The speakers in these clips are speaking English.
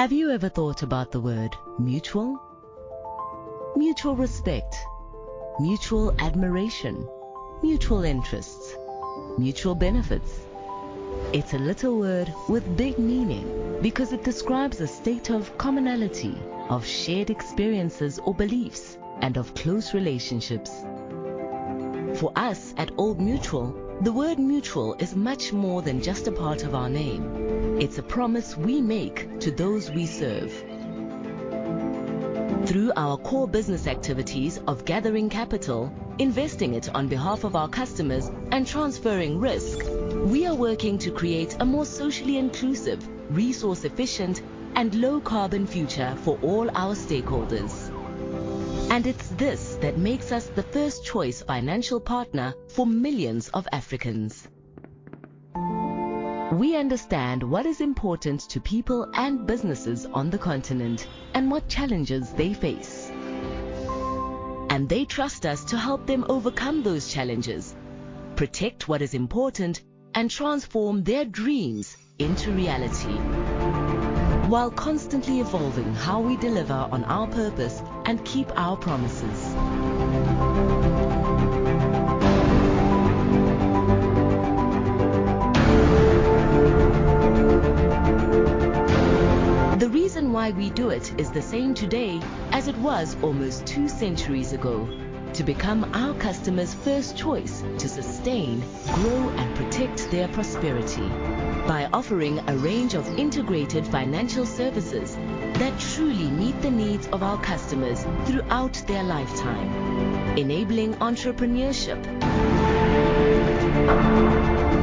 Have you ever thought about the word mutual? Mutual respect, mutual admiration, mutual interests, mutual benefits. It's a little word with big meaning because it describes a state of commonality, of shared experiences or beliefs, and of close relationships. For us at Old Mutual, the word mutual is much more than just a part of our name. It's a promise we make to those we serve. Through our core business activities of gathering capital, investing it on behalf of our customers, and transferring risk, we are working to create a more socially inclusive, resource efficient, and low carbon future for all our stakeholders. It's this that makes us the first choice financial partner for millions of Africans. We understand what is important to people and businesses on the continent and what challenges they face. They trust us to help them overcome those challenges, protect what is important, and transform their dreams into reality. While constantly evolving how we deliver on our purpose and keep our promises. The reason why we do it is the same today as it was almost two centuries ago: to become our customers' first choice to sustain, grow, and protect their prosperity by offering a range of integrated financial services that truly meet the needs of our customers throughout their lifetime. Enabling entrepreneurship.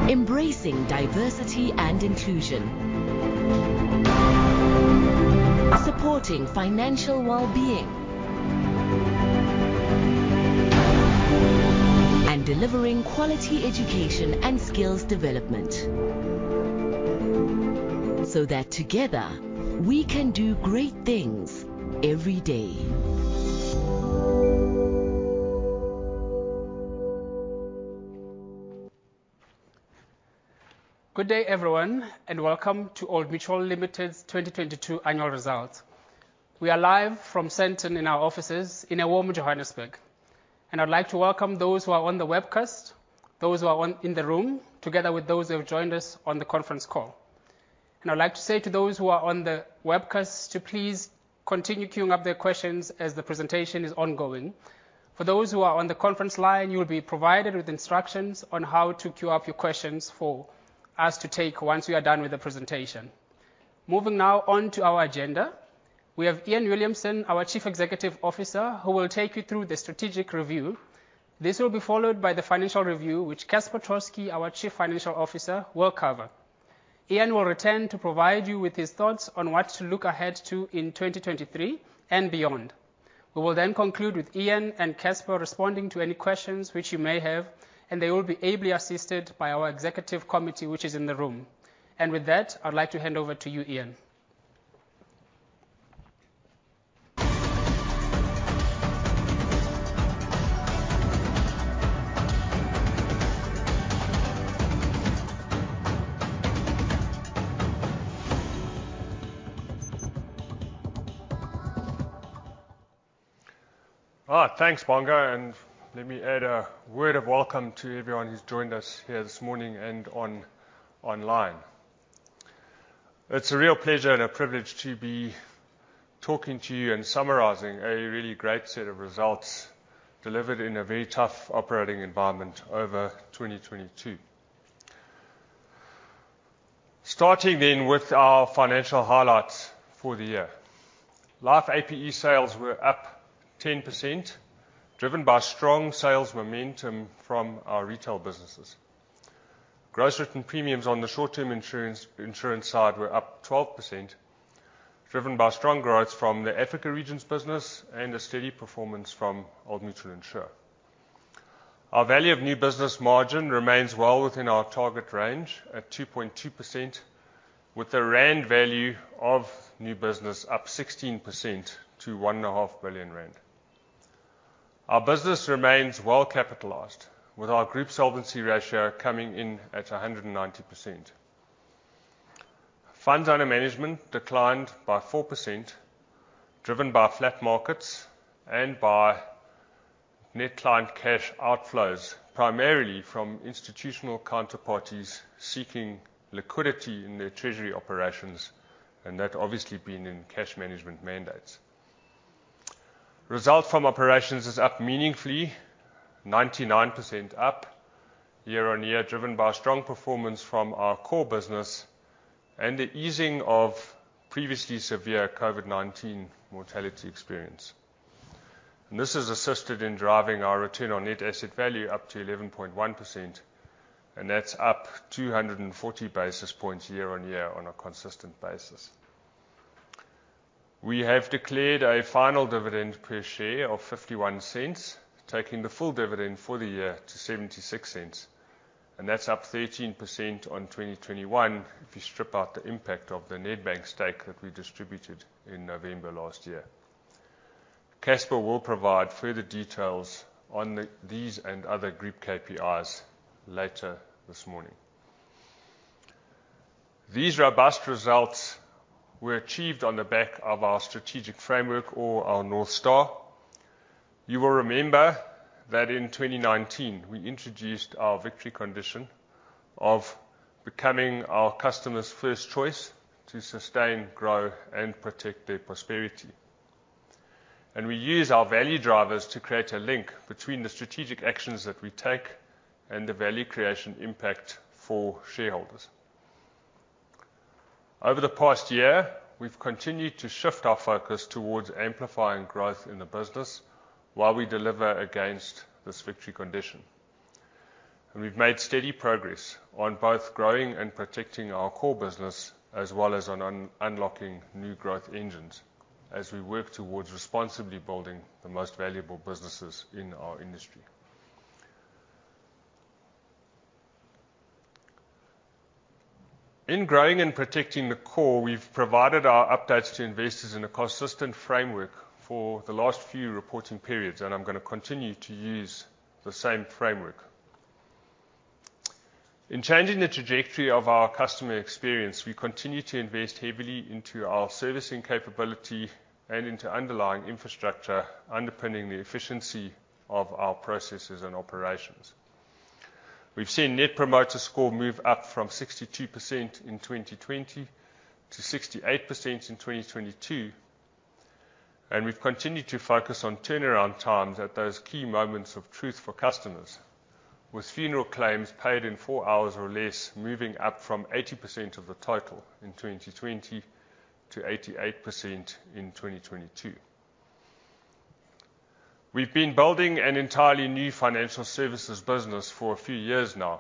Embracing diversity and inclusion. Supporting financial wellbeing. Delivering quality education and skills development. That together we can do great things every day. Good day, everyone, welcome to Old Mutual Limited's 2022 annual results. We are live from Sandton in our offices in a warm Johannesburg. I'd like to welcome those who are on the webcast, those who are in the room, together with those who have joined us on the conference call. I'd like to say to those who are on the webcast to please continue queuing up their questions as the presentation is ongoing. For those who are on the conference line, you will be provided with instructions on how to queue up your questions for us to take once we are done with the presentation. Moving now on to our agenda. We have Iain Williamson, our Chief Executive Officer, who will take you through the strategic review. This will be followed by the financial review, which Casper Troskie, our Chief Financial Officer, will cover. Iain will return to provide you with his thoughts on what to look ahead to in 2023 and beyond. We will then conclude with Iain and Casper responding to any questions which you may have, and they will be ably assisted by our executive committee, which is in the room. With that, I'd like to hand over to you, Iain. Thanks, Bonga, let me add a word of welcome to everyone who's joined us here this morning and online. It's a real pleasure and a privilege to be talking to you and summarizing a really great set of results delivered in a very tough operating environment over 2022. Starting with our financial highlights for the year. Life APE sales were up 10%, driven by strong sales momentum from our retail businesses. Gross written premiums on the short-term insurance side were up 12%, driven by strong growth from the Africa regions business and a steady performance from Old Mutual Insure. Our value of new business margin remains well within our target range at 2.2%, with the rand value of new business up 16% to 1.5 billion rand. Our business remains well capitalized, with our group solvency ratio coming in at 190%. Funds under management declined by 4%, driven by flat markets and by net client cash outflows, primarily from institutional counterparties seeking liquidity in their treasury operations, and that obviously being in cash management mandates. Results from operations is up meaningfully, 99% up year-on-year, driven by strong performance from our core business and the easing of previously severe COVID-19 mortality experience. This has assisted in driving our return on net asset value up to 11.1%, and that's up 240 basis points year on year on a consistent basis. We have declared a final dividend per share of 0.51, taking the full dividend for the year to 0.76, and that's up 13% on 2021 if you strip out the impact of the Nedbank stake that we distributed in November last year. Casper will provide further details on these and other group KPIs later this morning. These robust results were achieved on the back of our strategic framework or our North Star. You will remember that in 2019, we introduced our victory condition of becoming our customers' first choice to sustain, grow, and protect their prosperity. We use our value drivers to create a link between the strategic actions that we take and the value creation impact for shareholders. Over the past year, we've continued to shift our focus towards amplifying growth in the business while we deliver against this victory condition. We've made steady progress on both growing and protecting our core business, as well as on unlocking new growth engines as we work towards responsibly building the most valuable businesses in our industry. In growing and protecting the core, we've provided our updates to investors in a consistent framework for the last few reporting periods, and I'm gonna continue to use the same framework. In changing the trajectory of our customer experience, we continue to invest heavily into our servicing capability and into underlying infrastructure underpinning the efficiency of our processes and operations. We've seen Net Promoter Score move up from 62% in 2020 to 68% in 2022, and we've continued to focus on turnaround times at those key moments of truth for customers. With funeral claims paid in four hours or less, moving up from 80% of the total in 2020 to 88% in 2022. We've been building an entirely new financial services business for a few years now.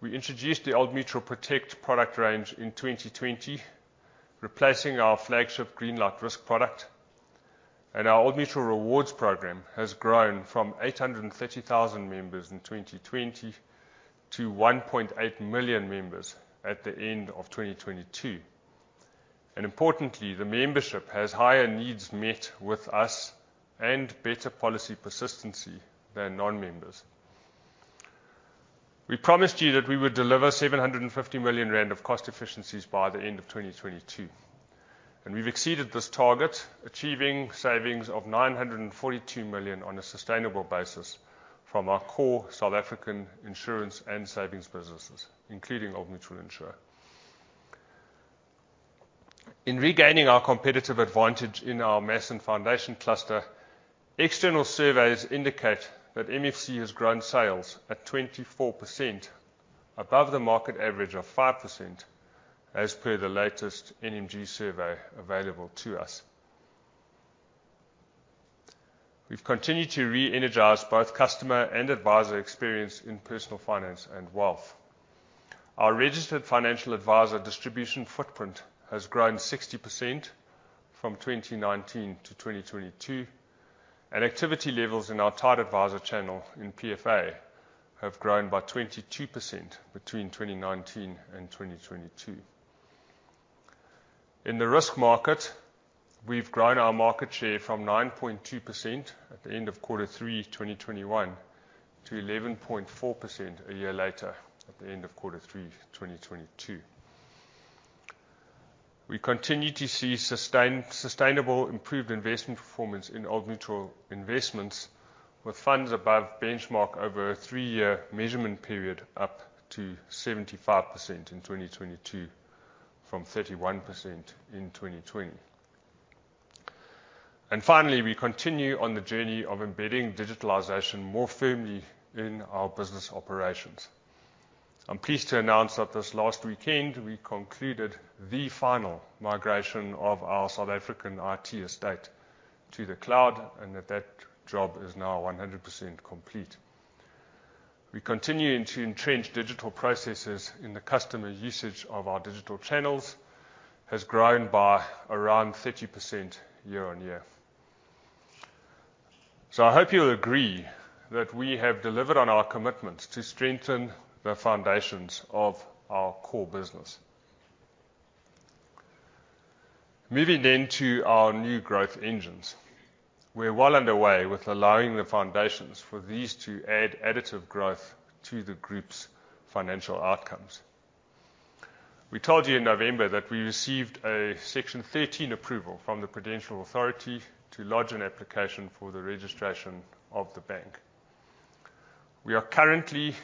We introduced the Old Mutual Protect product range in 2020, replacing our flagship GreenLight risk product, and our Old Mutual Rewards program has grown from 830,000 members in 2020 to 1.8 million members at the end of 2022. Importantly, the membership has higher needs met with us and better policy persistency than non-members. We promised you that we would deliver 750 million rand of cost efficiencies by the end of 2022. We've exceeded this target, achieving savings of 942 million on a sustainable basis from our core South African insurance and savings businesses, including Old Mutual Insure. In regaining our competitive advantage in our Mass and Foundation Cluster, external surveys indicate that MFC has grown sales at 24% above the market average of 5% as per the latest NMG survey available to us. We've continued to re-energize both customer and advisor experience in personal finance and wealth. Our registered financial advisor distribution footprint has grown 60% from 2019 to 2022, and activity levels in our tied advisor channel in PFA have grown by 22% between 2019 and 2022. In the risk market, we've grown our market share from 9.2% at the end of quarter three, 2021, to 11.4% a year later at the end of quarter three, 2022. We continue to see sustainable improved investment performance in Old Mutual Investments with funds above benchmark over a three-year measurement period up to 75% in 2022 from 31% in 2020. Finally, we continue on the journey of embedding digitalization more firmly in our business operations. I'm pleased to announce that this last weekend, we concluded the final migration of our South African IT estate to the cloud and that job is now 100% complete. We're continuing to entrench digital processes in the customer usage of our digital channels has grown by around 30% year on year. I hope you'll agree that we have delivered on our commitment to strengthen the foundations of our core business. Moving to our new growth engines. We're well underway with laying the foundations for these to add additive growth to the group's financial outcomes. We told you in November that we received a Section 13 approval from the Prudential Authority to lodge an application for the registration of the bank. We are currently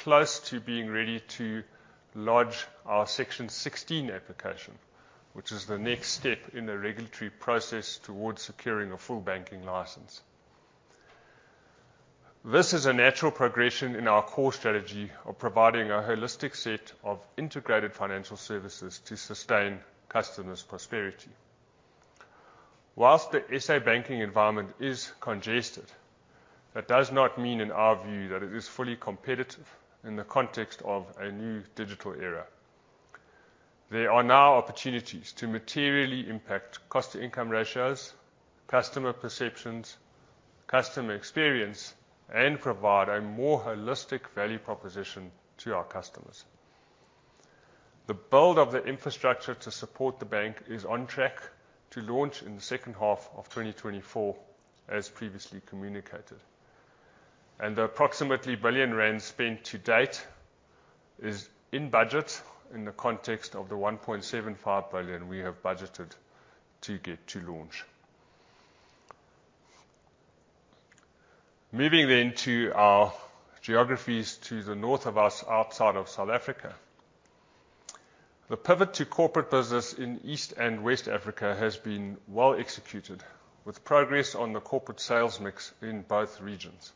close to being ready to lodge our Section 16 application, which is the next step in the regulatory process towards securing a full banking license. This is a natural progression in our core strategy of providing a holistic set of integrated financial services to sustain customers' prosperity. Whilst the SA banking environment is congested, that does not mean, in our view, that it is fully competitive in the context of a new digital era. There are now opportunities to materially impact cost-to-income ratios, customer perceptions, customer experience, and provide a more holistic value proposition to our customers. The build of the infrastructure to support the bank is on track to launch in the second half of 2024, as previously communicated. The approximately 1 billion rand spent to date is in budget in the context of the 1.75 billion we have budgeted to get to launch. Moving to our geographies to the north of us outside of South Africa. The pivot to corporate business in East and West Africa has been well executed with progress on the corporate sales mix in both regions.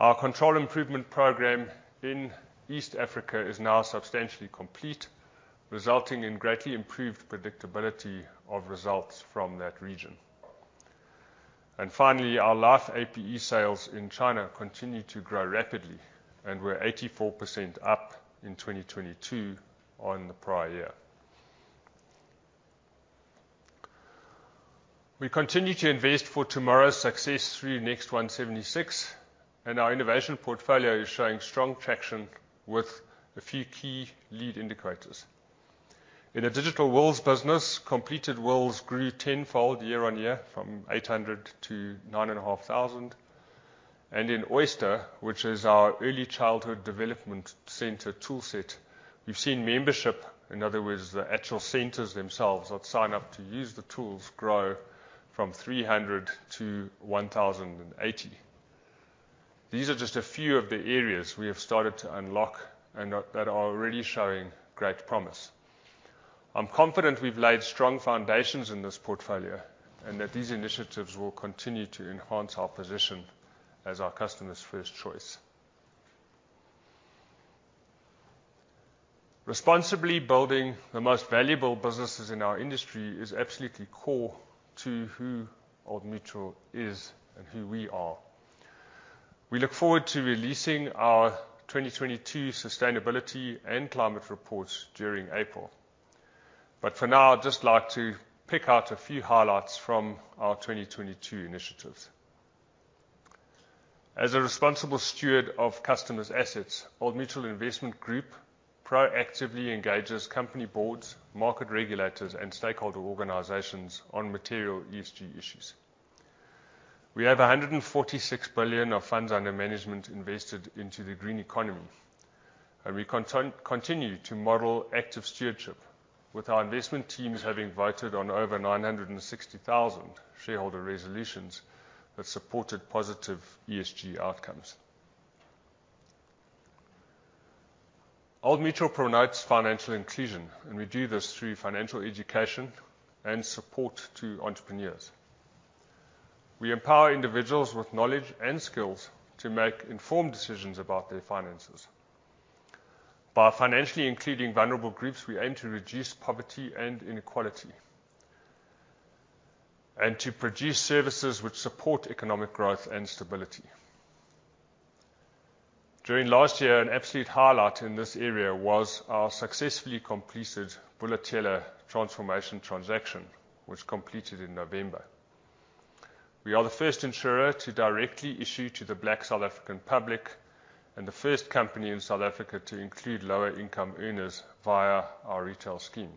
Our control improvement program in East Africa is now substantially complete, resulting in greatly improved predictability of results from that region. Finally, our life APE sales in China continue to grow rapidly, and we're 84% up in 2022 on the prior year. We continue to invest for tomorrow's success through Next176, and our innovation portfolio is showing strong traction with a few key lead indicators. In the digital wills business, completed wills grew tenfold year-over-year from 800-9,500. In Oyster, which is our early childhood development center toolset, we've seen membership, in other words, the actual centers themselves that sign up to use the tools grow from 300-1,080. These are just a few of the areas we have started to unlock and that are already showing great promise. I'm confident we've laid strong foundations in this portfolio and that these initiatives will continue to enhance our position as our customers' first choice. Responsibly building the most valuable businesses in our industry is absolutely core to who Old Mutual is and who we are. We look forward to releasing our 2022 sustainability and climate reports during April. For now, I'd just like to pick out a few highlights from our 2022 initiatives. As a responsible steward of customers' assets, Old Mutual Investment Group proactively engages company boards, market regulators, and stakeholder organizations on material ESG issues. We have 146 billion of funds under management invested into the green economy. We continue to model active stewardship with our investment teams having voted on over 960,000 shareholder resolutions that supported positive ESG outcomes. Old Mutual promotes financial inclusion, we do this through financial education and support to entrepreneurs. We empower individuals with knowledge and skills to make informed decisions about their finances. By financially including vulnerable groups, we aim to reduce poverty and inequality and to produce services which support economic growth and stability. During last year, an absolute highlight in this area was our successfully completed Bula Tsela transformation transaction, which completed in November. We are the first insurer to directly issue to the Black South African public and the first company in South Africa to include lower income earners via our retail scheme.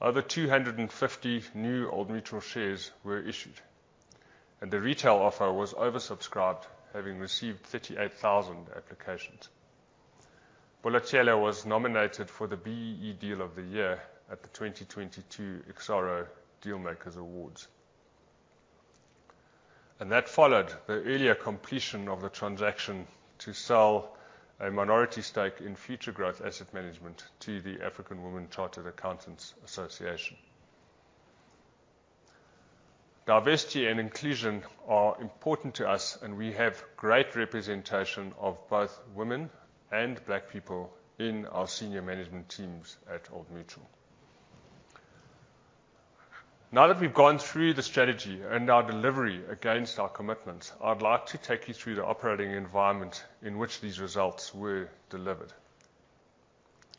Over 250 new Old Mutual shares were issued, and the retail offer was oversubscribed, having received 38,000 applications. Bula Tsela was nominated for the BEE Deal of the Year at the 2022 DealMakers Annual Awards. That followed the earlier completion of the transaction to sell a minority stake in Futuregrowth Asset Management to the African Women Chartered Accountants Association. Diversity and inclusion are important to us, and we have great representation of both women and Black people in our senior management teams at Old Mutual. Now that we've gone through the strategy and our delivery against our commitments, I'd like to take you through the operating environment in which these results were delivered.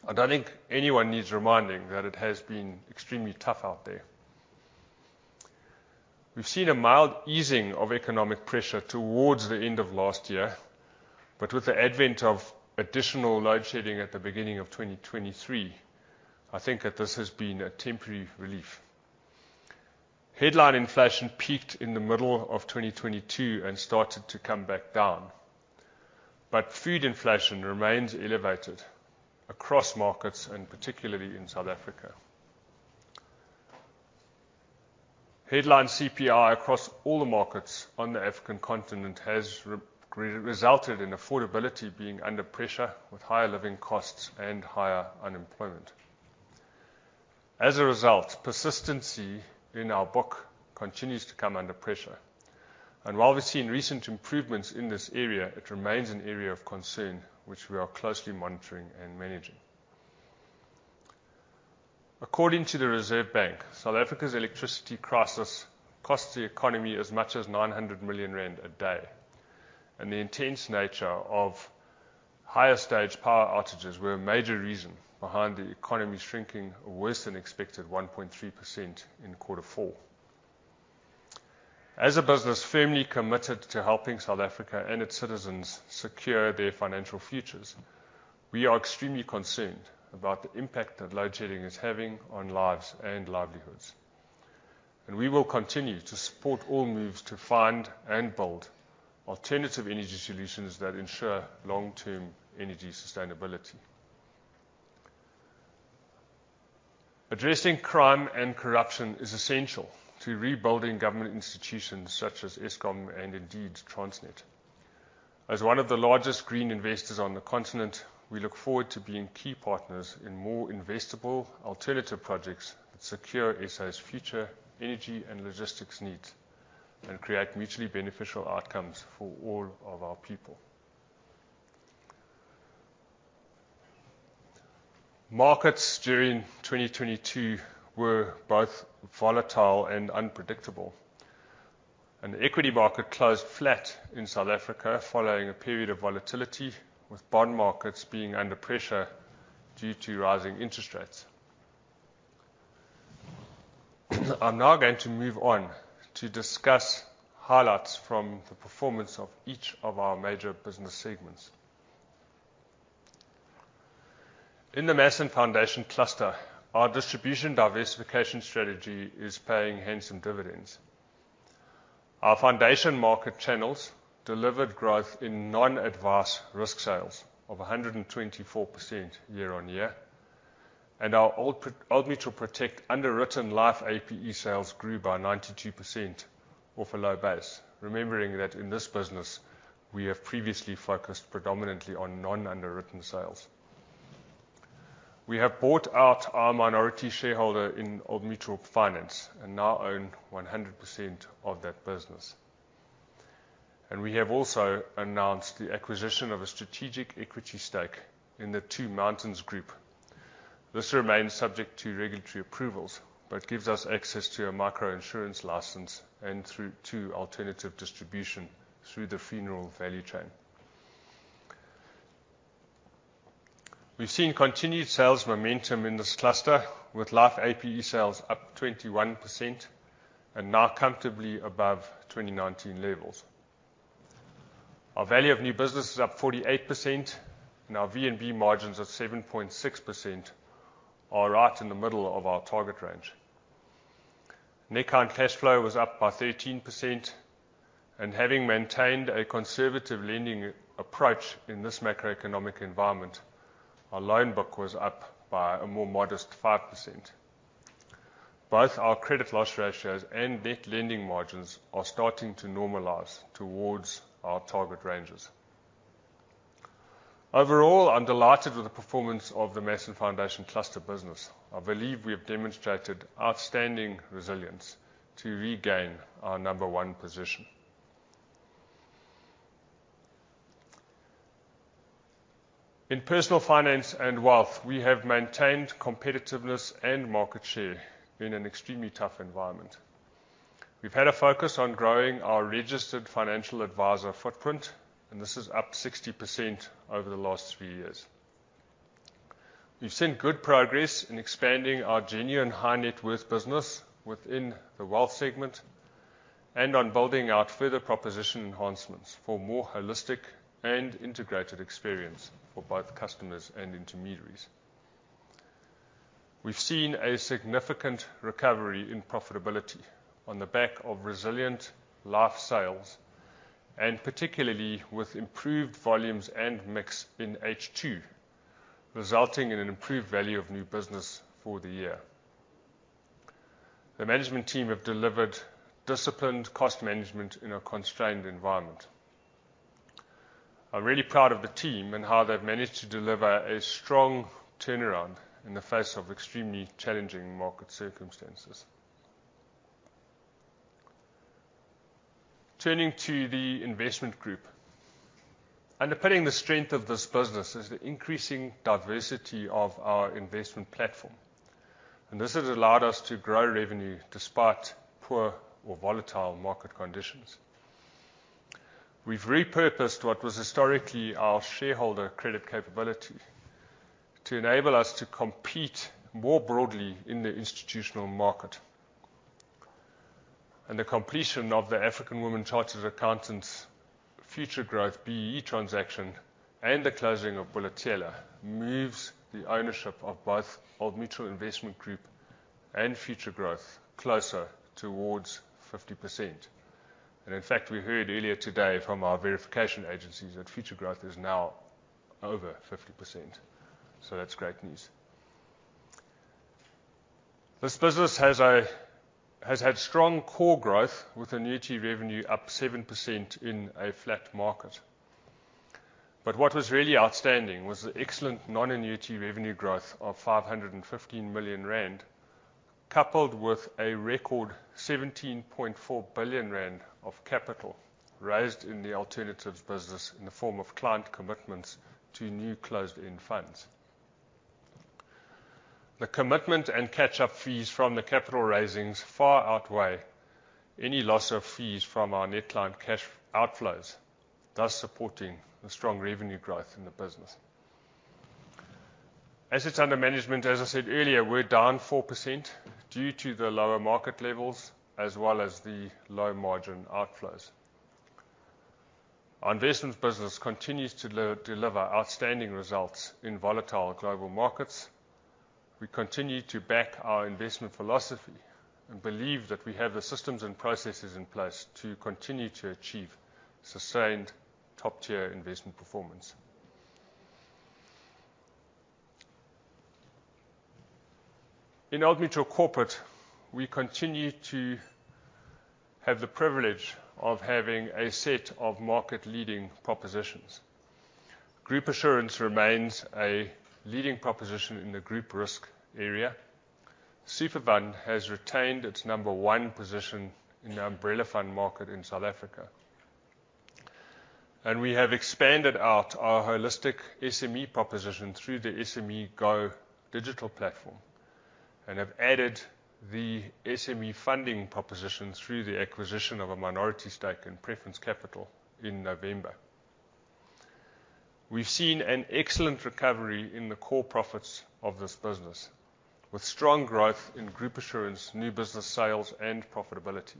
I don't think anyone needs reminding that it has been extremely tough out there. We've seen a mild easing of economic pressure towards the end of last year, but with the advent of additional load shedding at the beginning of 2023, I think that this has been a temporary relief. Headline inflation peaked in the middle of 2022 and started to come back down. Food inflation remains elevated across markets, and particularly in South Africa. Headline CPI across all the markets on the African continent has resulted in affordability being under pressure with higher living costs and higher unemployment. As a result, persistency in our book continues to come under pressure. While we've seen recent improvements in this area, it remains an area of concern which we are closely monitoring and managing. According to the Reserve Bank, South Africa's electricity crisis costs the economy as much as 900 million rand a day. The intense nature of higher stage power outages were a major reason behind the economy shrinking a worse than expected 1.3% in Q4. As a business firmly committed to helping South Africa and its citizens secure their financial futures, we are extremely concerned about the impact that load shedding is having on lives and livelihoods. We will continue to support all moves to find and build alternative energy solutions that ensure long-term energy sustainability. Addressing crime and corruption is essential to rebuilding government institutions such as Eskom and indeed Transnet. As one of the largest green investors on the continent, we look forward to being key partners in more investable alternative projects that secure SA's future energy and logistics needs and create mutually beneficial outcomes for all of our people. Markets during 2022 were both volatile and unpredictable. The equity market closed flat in South Africa following a period of volatility, with bond markets being under pressure due to rising interest rates. I'm now going to move on to discuss highlights from the performance of each of our major business segments. In the Mass and Foundation Cluster, our distribution diversification strategy is paying handsome dividends. Our foundation market channels delivered growth in non-advised risk sales of 124% year-on-year. Our Old Mutual Protect underwritten Life APE sales grew by 92% off a low base. Remembering that in this business, we have previously focused predominantly on non-underwritten sales. We have bought out our minority shareholder in Old Mutual Finance and now own 100% of that business. We have also announced the acquisition of a strategic equity stake in the Two Mountains Group. This remains subject to regulatory approvals, but gives us access to a microinsurance license and through two alternative distribution through the funeral value chain. We've seen continued sales momentum in this cluster with life APE sales up 21% and now comfortably above 2019 levels. Our value of new business is up 48% and our VNB margins of 7.6% are right in the middle of our target range. Net current cash flow was up by 13%. Having maintained a conservative lending approach in this macroeconomic environment, our loan book was up by a more modest 5%. Both our credit loss ratios and net lending margins are starting to normalize towards our target ranges. Overall, I'm delighted with the performance of the Mass and Foundation Cluster business. I believe we have demonstrated outstanding resilience to regain our number one position. In Personal Finance and Wealth, we have maintained competitiveness and market share in an extremely tough environment. We've had a focus on growing our registered financial adviser footprint, and this is up 60% over the last three years. We've seen good progress in expanding our genuine high-net-worth business within the wealth segment and on building out further proposition enhancements for more holistic and integrated experience for both customers and intermediaries. We've seen a significant recovery in profitability on the back of resilient life sales, and particularly with improved volumes and mix in H2, resulting in an improved value of new business for the year. The management team have delivered disciplined cost management in a constrained environment. I'm really proud of the team and how they've managed to deliver a strong turnaround in the face of extremely challenging market circumstances. Turning to the Investment Group. This has allowed us to grow revenue despite poor or volatile market conditions. We've repurposed what was historically our shareholder credit capability to enable us to compete more broadly in the institutional market. The completion of the African Women Chartered Accountants, Futuregrowth BEE transaction, the closing of Bula Tsela moves the ownership of both Old Mutual Investment Group and Futuregrowth closer towards 50%. In fact, we heard earlier today from our verification agencies that Futuregrowth is now over 50%. That's great news. This business has had strong core growth with annuity revenue up 7% in a flat market. What was really outstanding was the excellent non-annuity revenue growth of 515 million rand, coupled with a record 17.4 billion rand of capital raised in the alternatives business in the form of client commitments to new closed-end funds. The commitment and catch-up fees from the capital raisings far outweigh any loss of fees from our net client cash outflows, thus supporting the strong revenue growth in the business. Assets under management, as I said earlier, we're down 4% due to the lower market levels as well as the low margin outflows. Our investments business continues to deliver outstanding results in volatile global markets. We continue to back our investment philosophy and believe that we have the systems and processes in place to continue to achieve sustained top-tier investment performance. In Old Mutual Corporate, we continue to have the privilege of having a set of market-leading propositions. Group Assurance remains a leading proposition in the group risk area. SuperFund has retained its number one position in the umbrella fund market in South Africa. We have expanded out our holistic SME proposition through the SMEgo digital platform, and have added the SME funding proposition through the acquisition of a minority stake in Preference Capital in November. We've seen an excellent recovery in the core profits of this business, with strong growth in Group Assurance new business sales and profitability.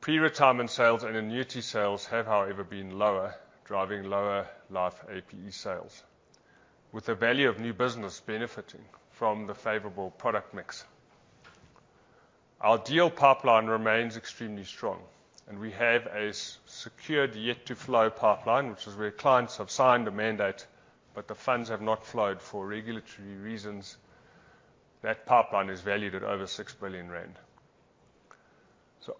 Pre-retirement sales and annuity sales have, however, been lower, driving lower Life APE sales, with the value of new business benefiting from the favorable product mix. Our deal pipeline remains extremely strong, and we have a secured yet-to-flow pipeline, which is where clients have signed a mandate, but the funds have not flowed for regulatory reasons. That pipeline is valued at over 6 billion rand.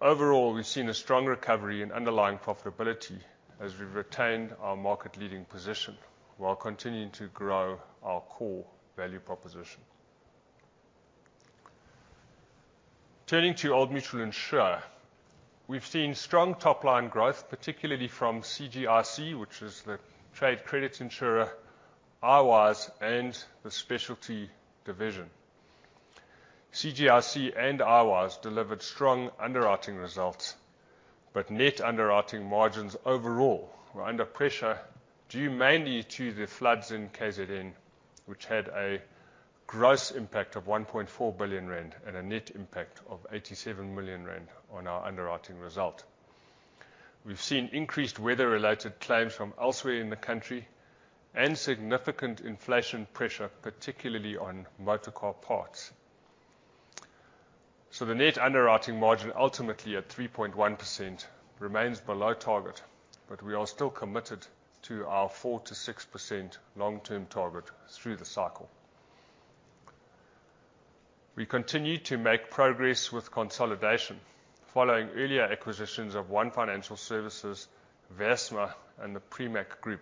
Overall, we've seen a strong recovery in underlying profitability as we've retained our market-leading position while continuing to grow our core value proposition. Turning to Old Mutual Insure, we've seen strong top-line growth, particularly from CGIC, which is the Trade Credit Insurer, iWYZE, and the Specialty division. CGIC and iWYZE delivered strong underwriting results, but net underwriting margins overall were under pressure due mainly to the floods in KZN, which had a gross impact of 1.4 billion rand and a net impact of 87 million rand on our underwriting result. We've seen increased weather-related claims from elsewhere in the country and significant inflation pressure, particularly on motor car parts. The net underwriting margin, ultimately at 3.1%, remains below target, but we are still committed to our 4%-6% long-term target through the cycle. We continue to make progress with consolidation following earlier acquisitions of ONE Financial Services, Genoa Underwriting Managers, and the Primac Group.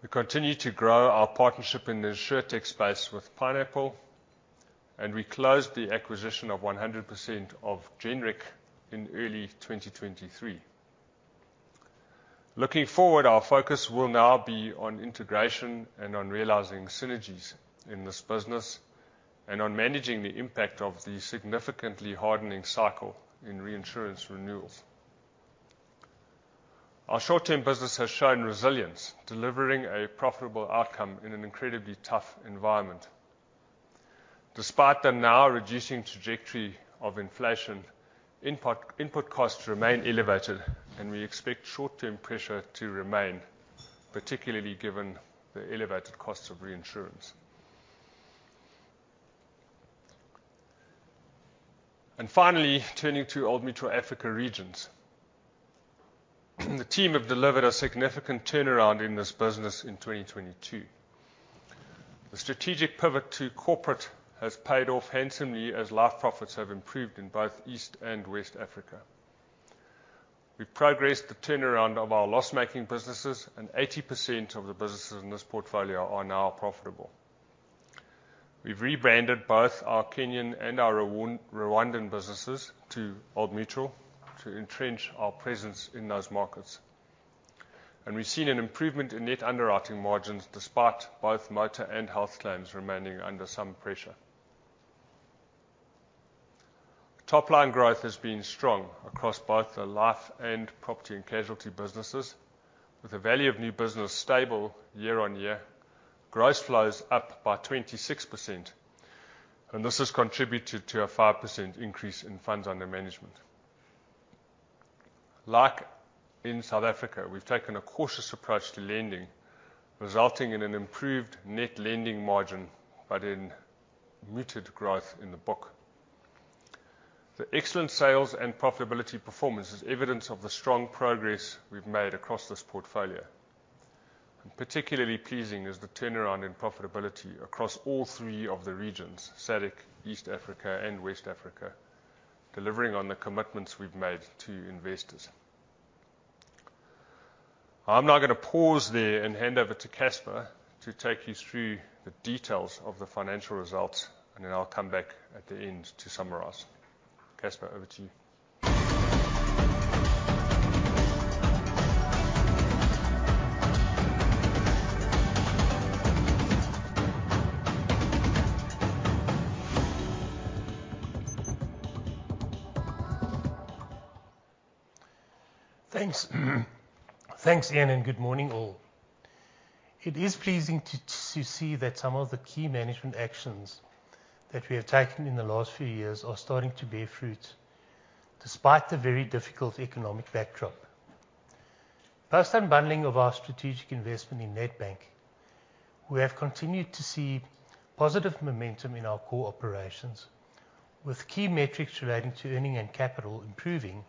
We continue to grow our partnership in the Insurtech space with Pineapple, and we closed the acquisition of 100% of GENRIC in early 2023. Looking forward, our focus will now be on integration and on realizing synergies in this business and on managing the impact of the significantly hardening cycle in reinsurance renewals. Our short-term business has shown resilience, delivering a profitable outcome in an incredibly tough environment. Despite the now reducing trajectory of inflation, input costs remain elevated, and we expect short-term pressure to remain, particularly given the elevated cost of reinsurance. Finally, turning to Old Mutual Africa Regions. The team have delivered a significant turnaround in this business in 2022. The strategic pivot to Corporate has paid off handsomely as life profits have improved in both East and West Africa. We've progressed the turnaround of our loss-making businesses, and 80% of the businesses in this portfolio are now profitable. We've rebranded both our Kenyan and our Rwandan businesses to Old Mutual to entrench our presence in those markets. We've seen an improvement in net underwriting margins despite both motor and health claims remaining under some pressure. Top line growth has been strong across both the life and property and casualty businesses, with the value of new business stable year-on-year, gross flows up by 26%, and this has contributed to a 5% increase in funds under management. Like in South Africa, we've taken a cautious approach to lending, resulting in an improved net lending margin but in muted growth in the book. The excellent sales and profitability performance is evidence of the strong progress we've made across this portfolio. Particularly pleasing is the turnaround in profitability across all three of the regions, SADC, East Africa, and West Africa, delivering on the commitments we've made to investors. I'm now gonna pause there and hand over to Casper to take you through the details of the financial results, and then I'll come back at the end to summarize. Casper, over to you. Thanks. Thanks, Iain, good morning, all. It is pleasing to see that some of the key management actions that we have taken in the last few years are starting to bear fruit despite the very difficult economic backdrop. Post unbundling of our strategic investment in Nedbank, we have continued to see positive momentum in our core operations, with key metrics relating to earning and capital improving,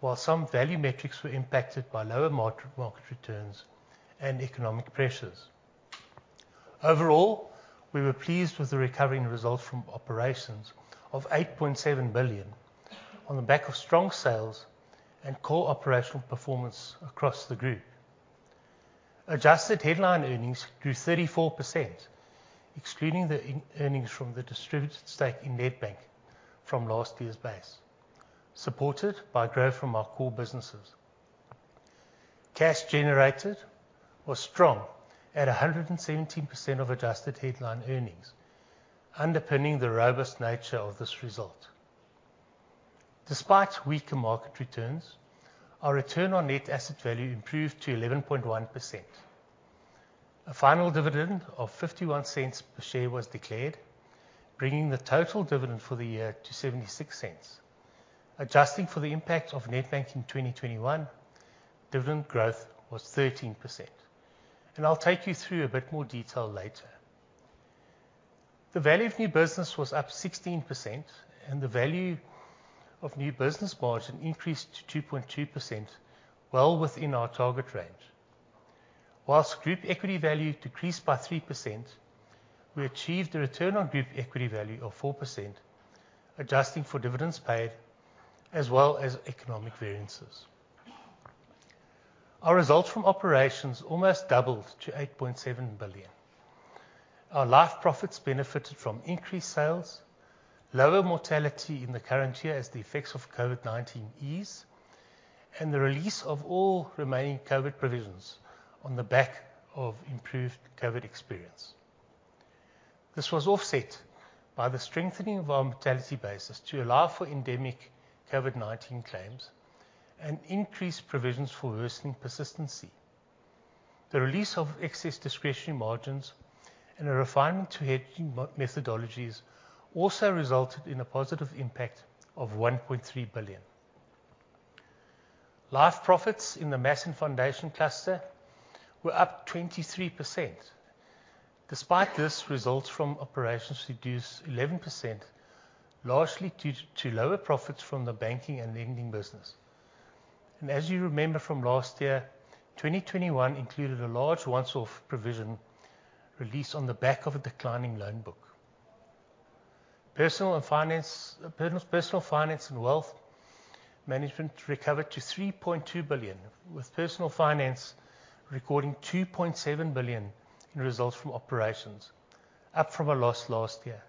while some value metrics were impacted by lower market returns and economic pressures. Overall, we were pleased with the recovering results from operations of 8.7 billion on the back of strong sales and core operational performance across the group. Adjusted headline earnings grew 34%, excluding the earnings from the distributed stake in Nedbank from last year's base, supported by growth from our core businesses. Cash generated was strong at 117% of adjusted headline earnings, underpinning the robust nature of this result. Despite weaker market returns, our return on net asset value improved to 11.1%. A final dividend of 0.51 per share was declared, bringing the total dividend for the year to 0.76. Adjusting for the impact of Nedbank in 2021, dividend growth was 13%. I'll take you through a bit more detail later. The value of new business was up 16% and the value of new business margin increased to 2.2%, well within our target range. Whilst group equity value decreased by 3%, we achieved a return on group equity value of 4%, adjusting for dividends paid as well as economic variances. Our results from operations almost doubled to 8.7 billion. Our life profits benefited from increased sales, lower mortality in the current year as the effects of COVID-19 ease, and the release of all remaining COVID provisions on the back of improved COVID experience. This was offset by the strengthening of our mortality basis to allow for endemic COVID-19 claims and increased provisions for worsening persistency. The release of excess discretionary margins and a refinement to hedging methodologies also resulted in a positive impact of 1.3 billion. Life profits in the Mass & Foundation Cluster were up 23%. Despite this, results from operations reduced 11%, largely due to lower profits from the banking and lending business. As you remember from last year, 2021 included a large once-off provision release on the back of a declining loan book. Personal and finance... Personal finance and wealth management recovered to 3.2 billion, with personal finance recording 2.7 billion in results from operations, up from a loss last year.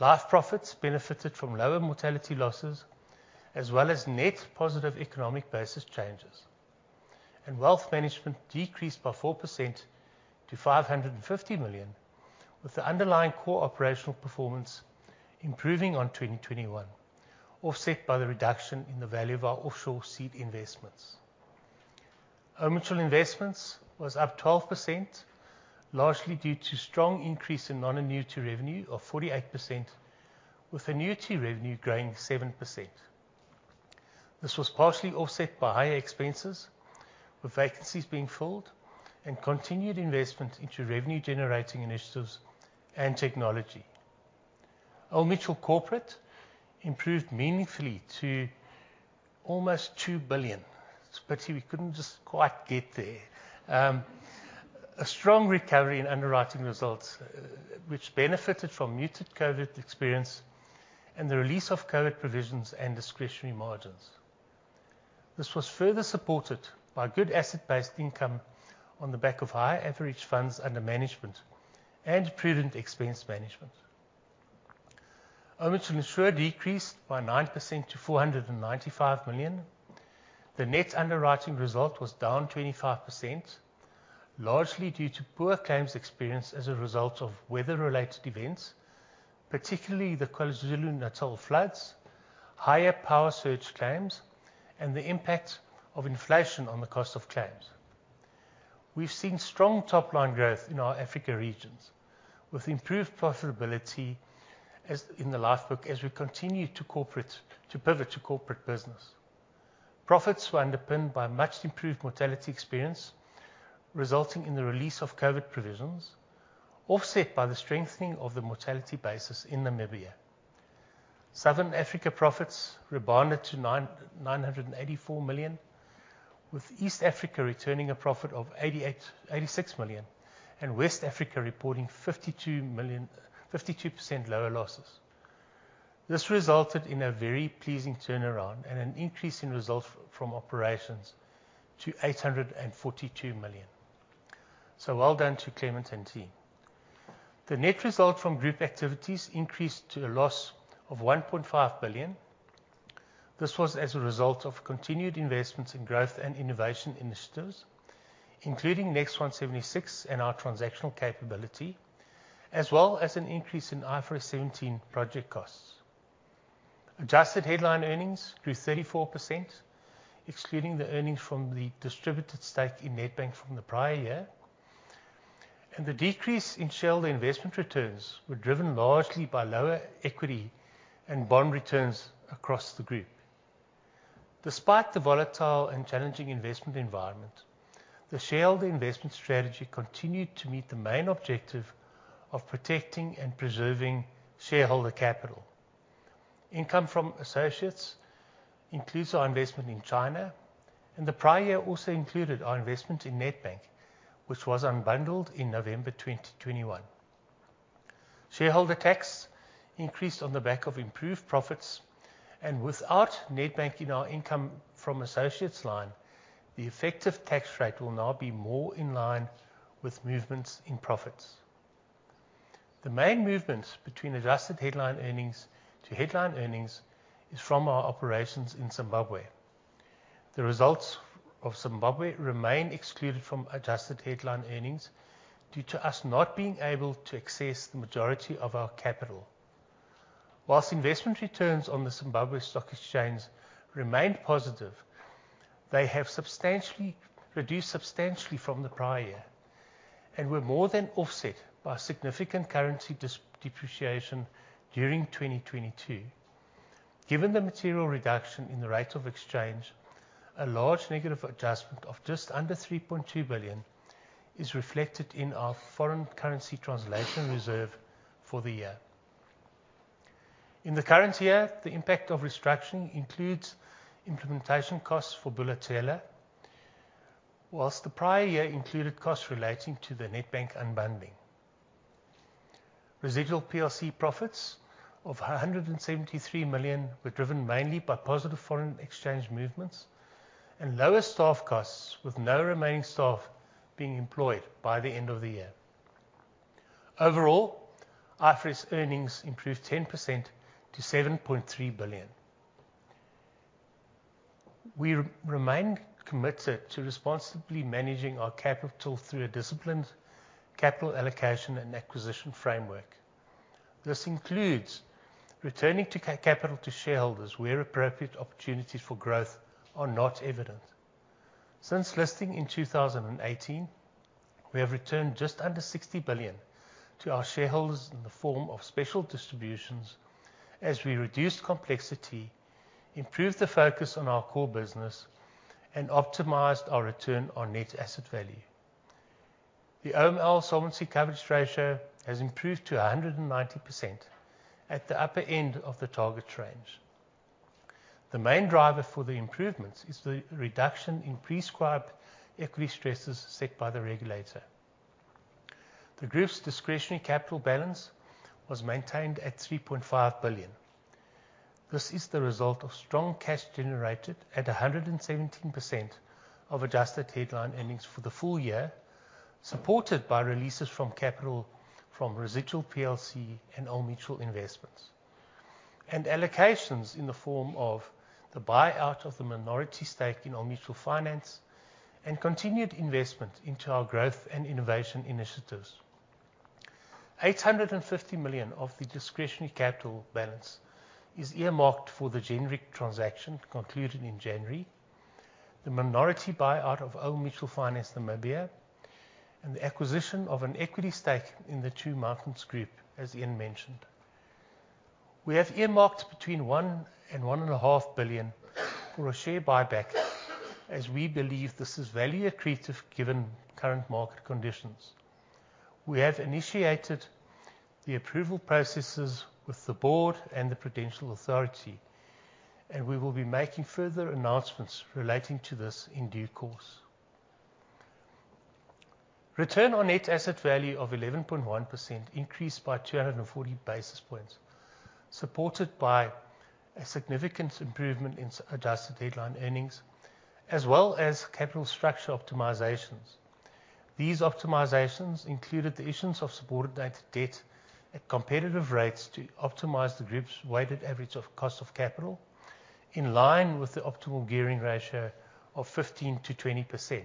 Life profits benefited from lower mortality losses as well as net positive economic basis changes. Wealth management decreased by 4% to 550 million, with the underlying core operational performance improving on 2021, offset by the reduction in the value of our offshore seed investments. Old Mutual Investments was up 12%, largely due to strong increase in non-annuity revenue of 48%, with annuity revenue growing 7%. This was partially offset by higher expenses, with vacancies being filled and continued investment into revenue-generating initiatives and technology. Old Mutual Corporate improved meaningfully to almost 2 billion. It's a pity we couldn't just quite get there. A strong recovery in underwriting results, which benefited from muted COVID experience and the release of COVID provisions and discretionary margins. This was further supported by good asset-based income on the back of higher average funds under management and prudent expense management. Old Mutual Insure decreased by 9% to 495 million. The net underwriting result was down 25%, largely due to poor claims experience as a result of weather-related events, particularly the KwaZulu-Natal floods, higher power surge claims, and the impact of inflation on the cost of claims. We've seen strong top-line growth in our Africa regions, with improved profitability in the life book as we continue to pivot to corporate business. Profits were underpinned by much improved mortality experience, resulting in the release of COVID provisions, offset by the strengthening of the mortality basis in Namibia. Southern Africa profits rebounded to 984 million, with East Africa returning a profit of 86 million and West Africa reporting 52% lower losses. This resulted in a very pleasing turnaround and an increase in results from operations to 842 million. Well done to Clement and team. The net result from group activities increased to a loss of 1.5 billion. This was as a result of continued investments in growth and innovation initiatives, including Next176 and our transactional capability, as well as an increase in IFRS 17 project costs. Adjusted headline earnings grew 34% excluding the earnings from the distributed stake in Nedbank from the prior year. The decrease in shareholder investment returns were driven largely by lower equity and bond returns across the group. Despite the volatile and challenging investment environment, the shareholder investment strategy continued to meet the main objective of protecting and preserving shareholder capital. Income from associates includes our investment in China, and the prior year also included our investment in Nedbank, which was unbundled in November 2021. Shareholder tax increased on the back of improved profits and without Nedbank in our income from associates line, the effective tax rate will now be more in line with movements in profits. The main movements between adjusted headline earnings to headline earnings is from our operations in Zimbabwe. The results of Zimbabwe remain excluded from adjusted headline earnings due to us not being able to access the majority of our capital. Whilst investment returns on the Zimbabwe Stock Exchange remained positive, they have reduced substantially from the prior and were more than offset by significant currency depreciation during 2022. Given the material reduction in the rate of exchange, a large negative adjustment of just under 3.2 billion is reflected in our foreign currency translation reserve for the year. In the current year, the impact of restructuring includes implementation costs for Bula Tsela, whilst the prior year included costs relating to the Nedbank unbundling. Residual PLC profits of 173 million were driven mainly by positive foreign exchange movements and lower staff costs, with no remaining staff being employed by the end of the year. Overall, IFRS earnings improved 10% to 7.3 billion. We remain committed to responsibly managing our capital through a disciplined capital allocation and acquisition framework. This includes returning to capital to shareholders where appropriate opportunities for growth are not evident. Since listing in 2018, we have returned just under 60 billion to our shareholders in the form of special distributions as we reduced complexity, improved the focus on our core business, and optimized our return on net asset value. The OML solvency coverage ratio has improved to 190% at the upper end of the target range. The main driver for the improvements is the reduction in prescribed equity stresses set by the regulator. The group's discretionary capital balance was maintained at 3.5 billion. This is the result of strong cash generated at 117% of adjusted headline earnings for the full year, supported by releases from capital from residual PLC and Old Mutual Investments. Allocations in the form of the buyout of the minority stake in Old Mutual Finance and continued investment into our growth and innovation initiatives. 850 million of the discretionary capital balance is earmarked for the GENRIC transaction concluded in January, the minority buyout of Old Mutual Finance Namibia, and the acquisition of an equity stake in the Two Mountains Group as Iain mentioned. We have earmarked between 1 billion and 1.5 billion for a share buyback as we believe this is value accretive given current market conditions. We have initiated the approval processes with the Board and the Prudential Authority. We will be making further announcements relating to this in due course. Return on net asset value of 11.1% increased by 240 basis points, supported by a significant improvement in adjusted headline earnings as well as capital structure optimizations. These optimizations included the issuance of subordinated debt at competitive rates to optimize the group's weighted average of cost of capital in line with the optimal gearing ratio of 15%-20%.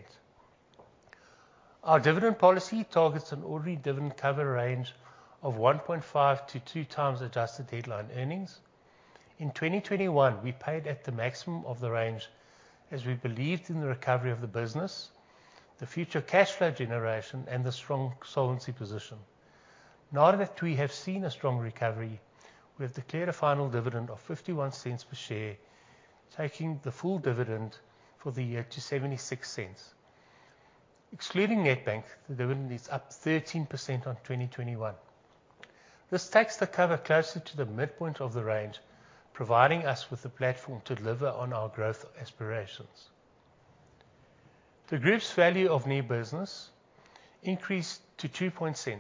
Our dividend policy targets an ordinary dividend cover range of 1.5-2 times adjusted headline earnings. In 2021, we paid at the maximum of the range as we believed in the recovery of the business, the future cash flow generation, and the strong solvency position. Now that we have seen a strong recovery, we have declared a final dividend of 0.51 per share, taking the full dividend for the year to 0.76. Excluding Nedbank, the dividend is up 13% on 2021. This takes the cover closer to the midpoint of the range, providing us with the platform to deliver on our growth aspirations. The group's value of new business margin increased to 2.2%,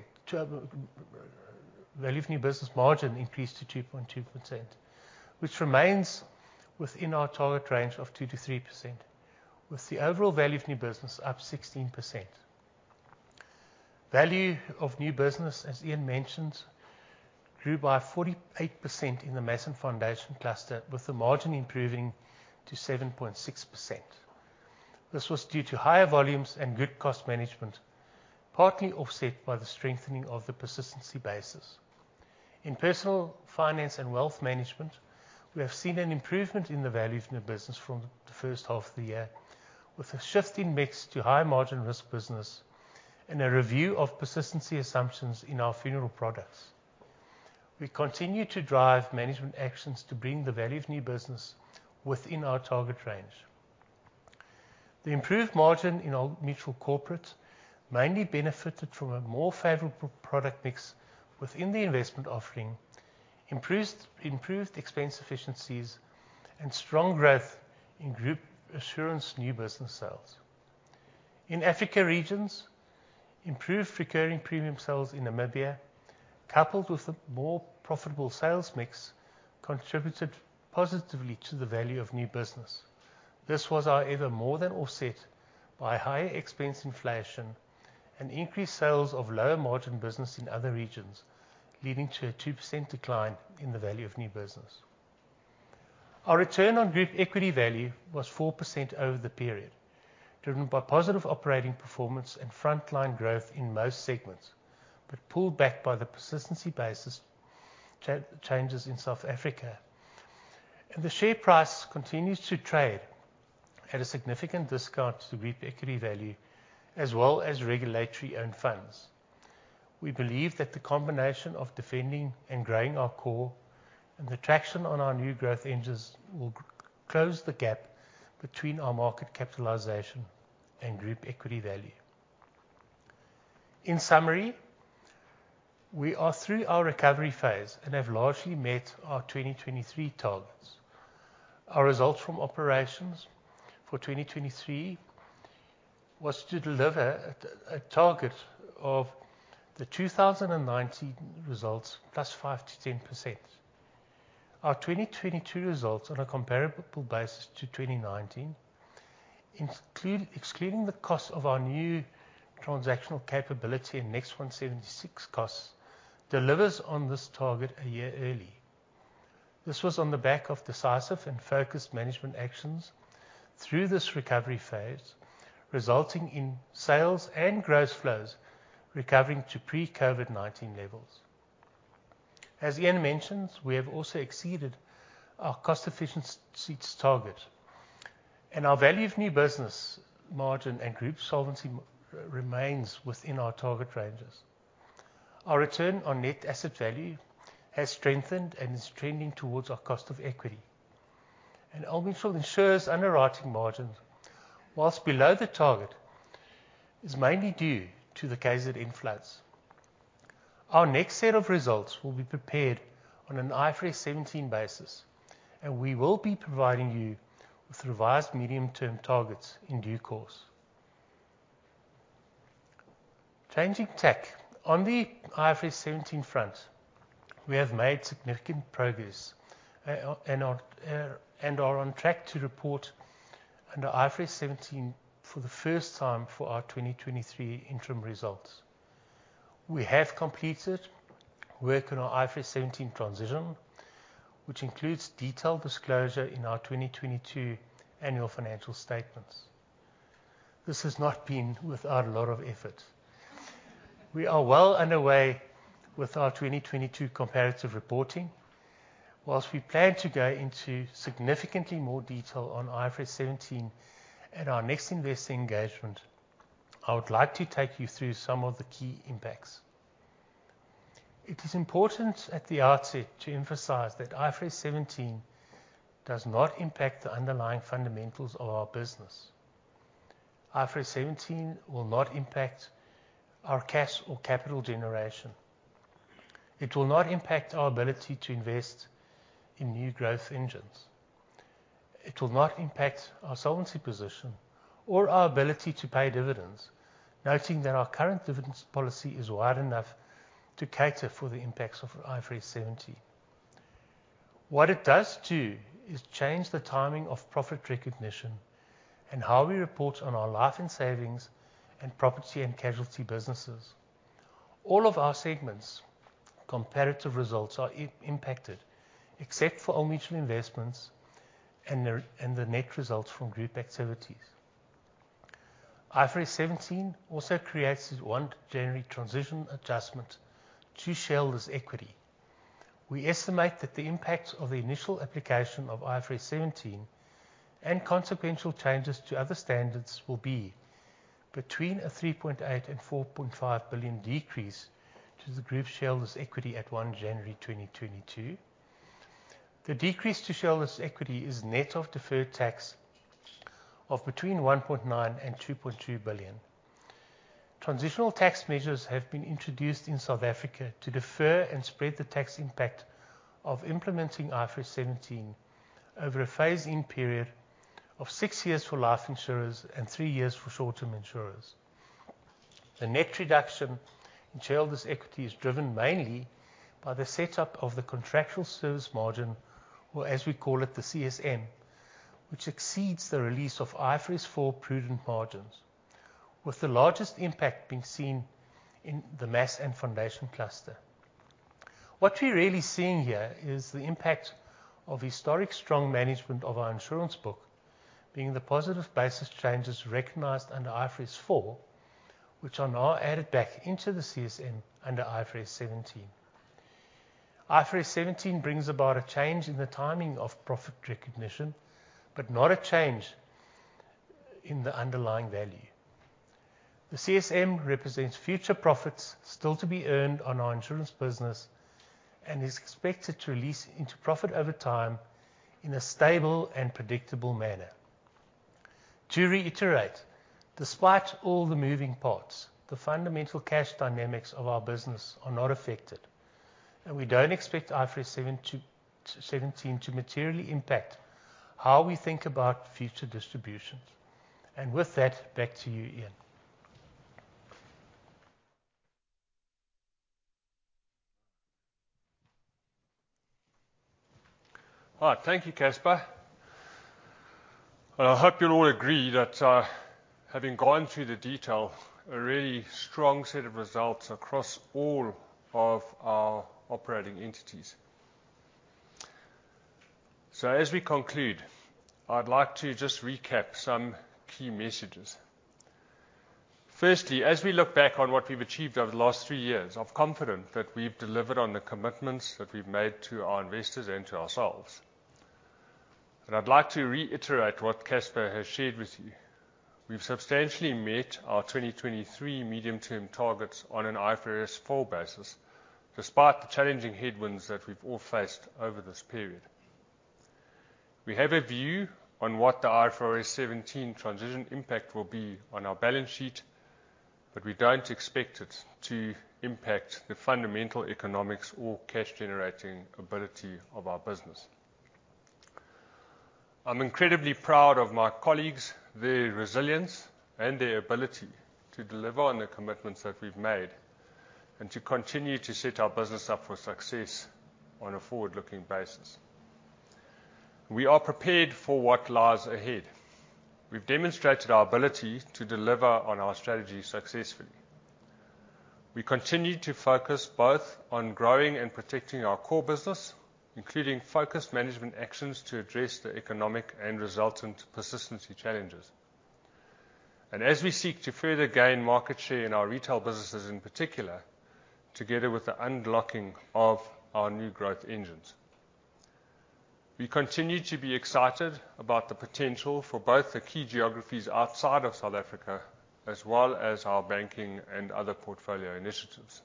which remains within our target range of 2%-3%, with the overall value of new business up 16%. Value of new business, as Iain mentioned, grew by 48% in the Mass and Foundation Cluster, with the margin improving to 7.6%. This was due to higher volumes and good cost management, partly offset by the strengthening of the persistency basis. In personal finance and wealth management, we have seen an improvement in the value of new business from the first half of the year, with a shift in mix to high margin risk business and a review of persistency assumptions in our funeral products. We continue to drive management actions to bring the value of new business within our target range. The improved margin in Old Mutual Corporate mainly benefited from a more favorable product mix within the investment offering, improved expense efficiencies and strong growth in Group Assurance new business sales. In Africa Regions, improved recurring premium sales in Namibia, coupled with a more profitable sales mix, contributed positively to the value of new business. This was, however, more than offset by higher expense inflation and increased sales of lower margin business in other regions, leading to a 2% decline in the value of new business. Our return on group equity value was 4% over the period, driven by positive operating performance and frontline growth in most segments, but pulled back by the persistency basis changes in South Africa. The share price continues to trade at a significant discount to group equity value as well as regulatory owned funds. We believe that the combination of defending and growing our core and the traction on our new growth engines will close the gap between our market capitalization and group equity value. In summary, we are through our recovery phase and have largely met our 2023 targets. Our results from operations for 2023 was to deliver a target of the 2019 results plus 5%-10%. Our 2022 results on a comparable basis to 2019 excluding the cost of our new transactional capability and Next176 costs, delivers on this target a year early. This was on the back of decisive and focused management actions through this recovery phase, resulting in sales and gross flows recovering to pre-COVID-19 levels. As Iain mentioned, we have also exceeded our cost efficiencies target. Our value of new business margin and group solvency remains within our target ranges. Our return on net asset value has strengthened and is trending towards our cost of equity. Old Mutual Insure's underwriting margins, whilst below the target, is mainly due to the KZN floods. Our next set of results will be prepared on an IFRS 17 basis, and we will be providing you with revised medium-term targets in due course. Changing tack. On the IFRS 17 front, we have made significant progress and are on track to report under IFRS 17 for the first time for our 2023 interim results. We have completed work on our IFRS 17 transition, which includes detailed disclosure in our 2022 annual financial statements. This has not been without a lot of effort. We are well underway with our 2022 comparative reporting. Whilst we plan to go into significantly more detail on IFRS 17 at our next investor engagement, I would like to take you through some of the key impacts. It is important at the outset to emphasize that IFRS 17 does not impact the underlying fundamentals of our business. IFRS 17 will not impact our cash or capital generation. It will not impact our ability to invest in new growth engines. It will not impact our solvency position or our ability to pay dividends, noting that our current dividends policy is wide enough to cater for the impacts of IFRS 17. What it does do is change the timing of profit recognition and how we report on our life and savings and property and casualty businesses. All of our segments' comparative results are impacted except for Old Mutual Investments and the net results from group activities. IFRS 17 also creates 1 January transition adjustment to shareholders' equity. We estimate that the impact of the initial application of IFRS 17 and consequential changes to other standards will be between a 3.8 billion and 4.5 billion decrease to the group shareholders' equity at 1 January 2022. The decrease to shareholders' equity is net of deferred tax of between 1.9 billion and 2.2 billion. Transitional tax measures have been introduced in South Africa to defer and spread the tax impact of implementing IFRS 17 over a phase-in period of six years for life insurers and three years for short-term insurers. The net reduction in shareholders' equity is driven mainly by the setup of the contractual service margin or as we call it, the CSM, which exceeds the release of IFRS 4 prudent margins, with the largest impact being seen in the Mass and Foundation Cluster. What we're really seeing here is the impact of historic strong management of our insurance book, being the positive basis changes recognized under IFRS 4, which are now added back into the CSM under IFRS 17. IFRS 17 brings about a change in the timing of profit recognition, but not a change in the underlying value. The CSM represents future profits still to be earned on our insurance business and is expected to release into profit over time in a stable and predictable manner. To reiterate, despite all the moving parts, the fundamental cash dynamics of our business are not affected, and we don't expect IFRS 17 to materially impact how we think about future distributions. With that, back to you, Iain. All right. Thank you, Casper. I hope you'll all agree that, having gone through the detail, a really strong set of results across all of our operating entities. As we conclude, I'd like to just recap some key messages. Firstly, as we look back on what we've achieved over the last three years, I'm confident that we've delivered on the commitments that we've made to our investors and to ourselves. I'd like to reiterate what Casper has shared with you. We've substantially met our 2023 medium-term targets on an IFRS four basis, despite the challenging headwinds that we've all faced over this period. We have a view on what the IFRS 17 transition impact will be on our balance sheet, but we don't expect it to impact the fundamental economics or cash-generating ability of our business. I'm incredibly proud of my colleagues, their resilience, and their ability to deliver on the commitments that we've made and to continue to set our business up for success on a forward-looking basis. We are prepared for what lies ahead. We've demonstrated our ability to deliver on our strategy successfully. We continue to focus both on growing and protecting our core business, including focused management actions to address the economic and resultant persistency challenges. As we seek to further gain market share in our retail businesses, in particular, together with the unlocking of our new growth engines. We continue to be excited about the potential for both the key geographies outside of South Africa as well as our banking and other portfolio initiatives.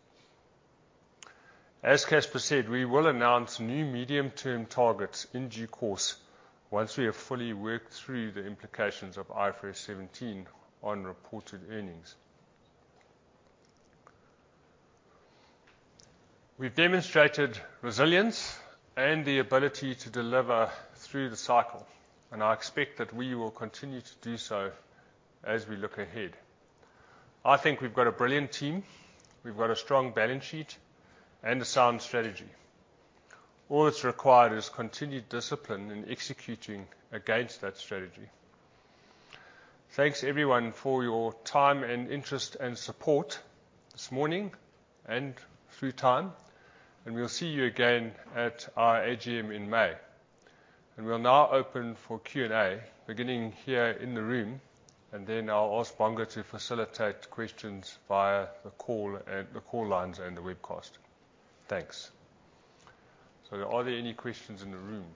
As Casper said, we will announce new medium-term targets in due course once we have fully worked through the implications of IFRS 17 on reported earnings. We've demonstrated resilience and the ability to deliver through the cycle, and I expect that we will continue to do so as we look ahead. I think we've got a brilliant team. We've got a strong balance sheet and a sound strategy. All that's required is continued discipline in executing against that strategy. Thanks everyone for your time and interest and support this morning and through time. We'll see you again at our AGM in May. We'll now open for Q&A, beginning here in the room, and then I'll ask Bonga to facilitate questions via the call lines and the webcast. Thanks. Are there any questions in the room?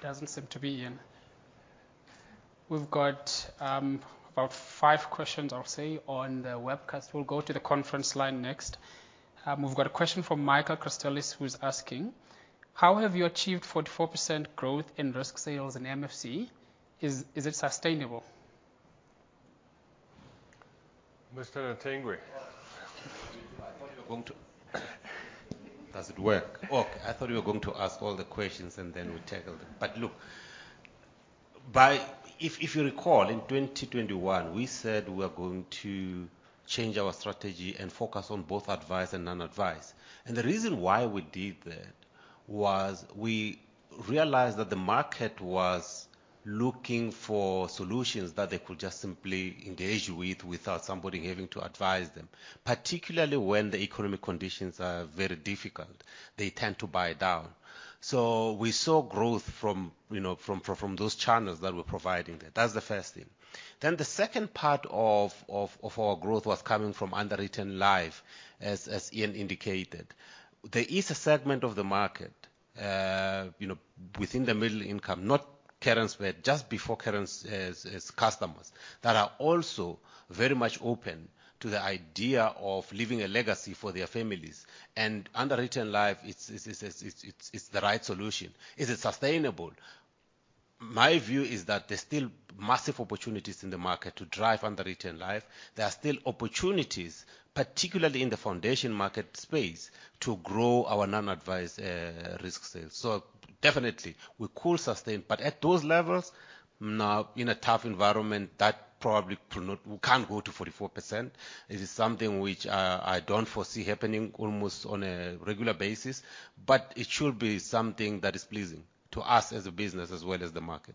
There doesn't seem to be, Iain. We've got about five questions, I'll say, on the webcast. We'll go to the conference line next. We've got a question from Michael Christelis, who's asking: How have you achieved 44% growth in risk sales in MFC? Is it sustainable? Mr. Nethengwe. Does it work? Okay. I thought you were going to ask all the questions, and then we tackle them. Look, by... If you recall, in 2021 we said we are going to change our strategy and focus on both advice and non-advice. The reason why we did that was we realized that the market was looking for solutions that they could just simply engage with without somebody having to advise them. Particularly when the economic conditions are very difficult, they tend to buy down. We saw growth from, you know, from those channels that we're providing there. That's the first thing. The second part of our growth was coming from underwritten life, as Iain indicated. There is a segment of the market, you know, within the middle income, not Kerens, where just before Kerens as customers, that are also very much open to the idea of leaving a legacy for their families. Underwritten life it's the right solution. Is it sustainable? My view is that there's still massive opportunities in the market to drive underwritten life. There are still opportunities, particularly in the foundation market space, to grow our non-advised, risk sales. Definitely we could sustain. At those levels, now in a tough environment, that probably no, we can't go to 44%. It is something which, I don't foresee happening almost on a regular basis, but it should be something that is pleasing to us as a business as well as the market.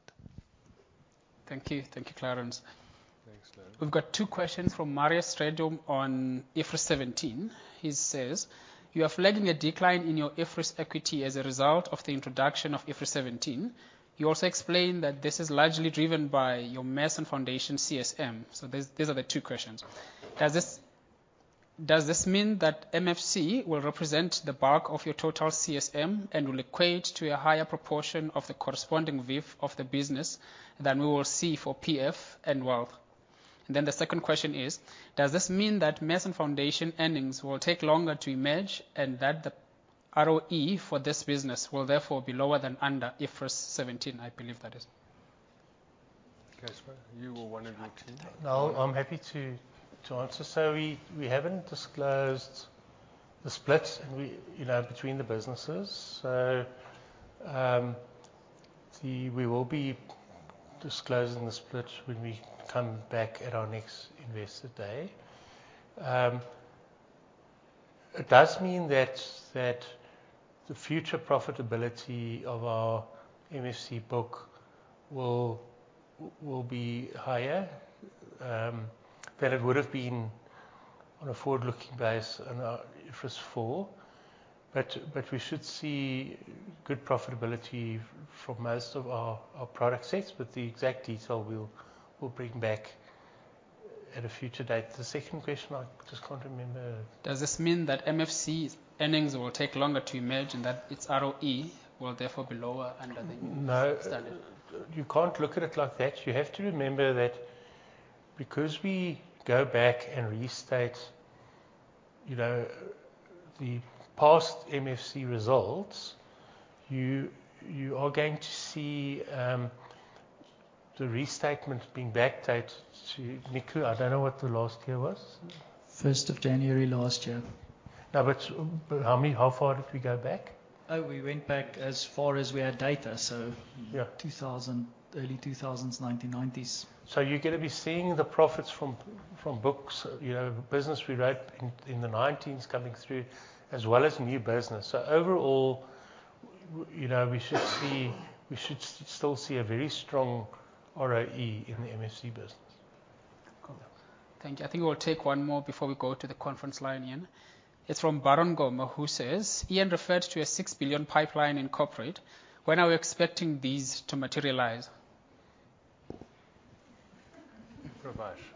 Thank you. Thank you, Clarence. Thanks, Clarence. We've got two questions from Marius Strydom on IFRS 17. He says: You are flagging a decline in your IFRS equity as a result of the introduction of IFRS 17. He also explained that this is largely driven by your Mass and Foundation CSM. These are the two questions. Does this mean that MFC will represent the bulk of your total CSM and will equate to a higher proportion of the corresponding VIF of the business than we will see for PF and Wealth? The second question is: Does this mean that Mass and Foundation earnings will take longer to emerge, and that the ROE for this business will therefore be lower than under IFRS 17, I believe that is. Casper. You want a routine. No, I'm happy to answer. We haven't disclosed the splits and we, you know, between the businesses. We will be disclosing the splits when we come back at our next investor day. It does mean that the future profitability of our MFC book will be higher than it would have been on a forward-looking base on our IFRS 4. We should see good profitability for most of our product sets, but the exact detail we'll bring back at a future date. The second question, I just can't remember. Does this mean that MFC's earnings will take longer to emerge and that its ROE will therefore be lower? No. Standard. You can't look at it like that. You have to remember that because we go back and restate, you know, the past MFC results, you are going to see the restatement being backdated to... Nico, I don't know what the last year was. 1st of January last year. How many, how far did we go back? Oh, we went back as far as we had data. So- Yeah. 2000, early 2000s, 1990s. You're gonna be seeing the profits from books, you know, business we wrote in the '90s coming through, as well as new business. Overall, you know, we should still see a very strong ROE in the MFC business. Cool. Thank you. I think we'll take one more before we go to the conference line, Iain. It's from Brendan Goss, who says, Iain referred to a 6 billion pipeline in Corporate. When are we expecting these to materialize? Prabash. Prabashini,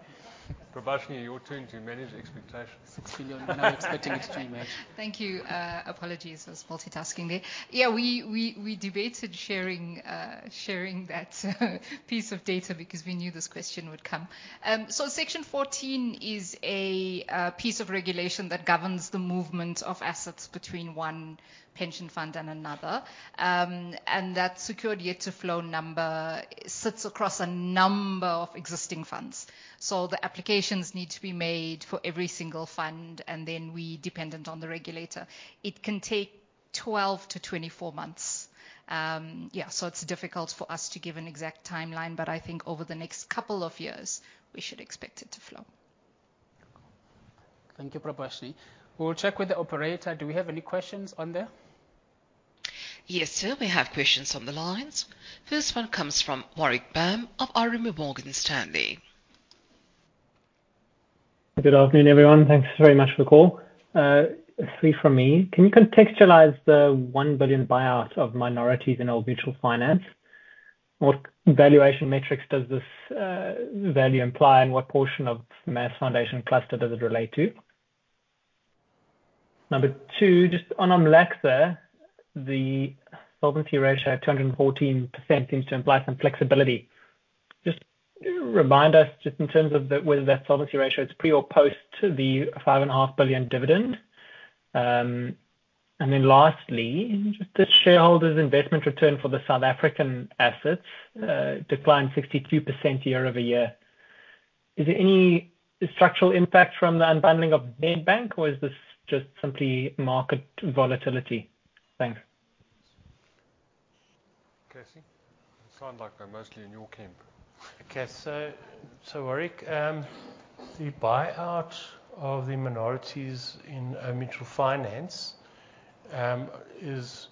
your turn to manage expectations. 6 billion we're now expecting it to emerge. Thank you. Apologies, I was multitasking there. We debated sharing that piece of data because we knew this question would come. Section 14 is a piece of regulation that governs the movement of assets between one pension fund and another. That secured year to flow number sits across a number of existing funds. The applications need to be made for every single fund, and then we dependent on the regulator. It can take 12-24 months. It's difficult for us to give an exact timeline, but I think over the next couple of years, we should expect it to flow. Thank you, Prabashini. We'll check with the operator. Do we have any questions on there? Yes, sir. We have questions on the lines. First one comes from Warwick Bam of RMB Morgan Stanley. Good afternoon, everyone. Thanks very much for the call. Three from me. Can you contextualize the 1 billion buyout of minorities in Old Mutual Finance? What valuation metrics does this value imply, and what portion of Mass Foundation Cluster does it relate to? Number two, just on OMLACSA, the solvency ratio of 214% seems to imply some flexibility. Just remind us in terms of the, whether that solvency ratio is pre or post the five and a half billion dividend. Lastly, just the shareholders' investment return for the South African assets declined 62% year-over-year. Is there any structural impact from the unbundling of Nedbank, or is this just simply market volatility? Thanks. Casey, it sound like they're mostly in your camp. Warwick, the buyout of the minorities in Old Mutual Finance is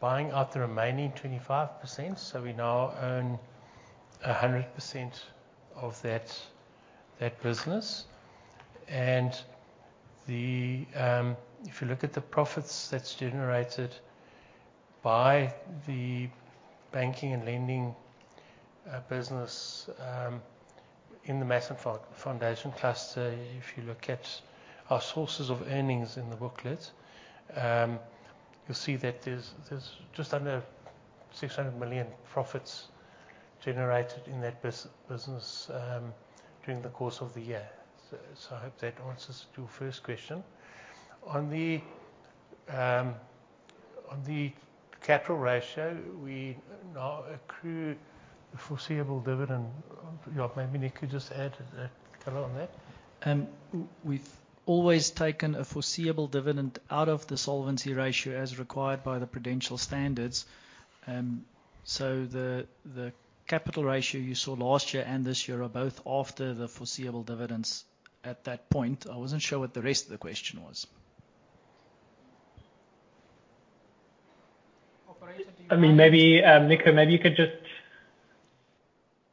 buying out the remaining 25%. We now own 100% of that business. If you look at the profits that's generated by the banking and lending business in the Mass and Foundation Cluster, if you look at our sources of earnings in the booklet, you'll see that there's just under 600 million profits generated in that business during the course of the year. I hope that answers your first question. On the capital ratio, we now accrue the foreseeable dividend. maybe Nico could just add color on that. We've always taken a foreseeable dividend out of the solvency ratio as required by the Prudential standards. The capital ratio you saw last year and this year are both after the foreseeable dividends at that point. I wasn't sure what the rest of the question was. Operationally- I mean, maybe, Nico, maybe you could just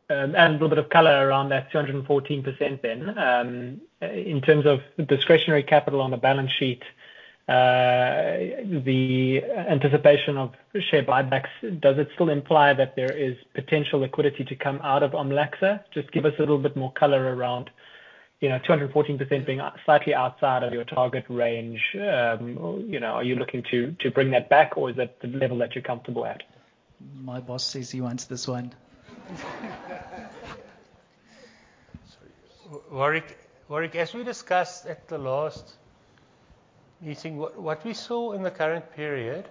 add a little bit of color around that 214% then. In terms of discretionary capital on the balance sheet, the anticipation of share buybacks, does it still imply that there is potential liquidity to come out of OMLACSA? Just give us a little bit more color around, you know, 214% being out, slightly outside of your target range. You know, are you looking to bring that back, or is that the level that you're comfortable at? My boss says he wants this one. Warwick, as we discussed at the last meeting, what we saw in the current period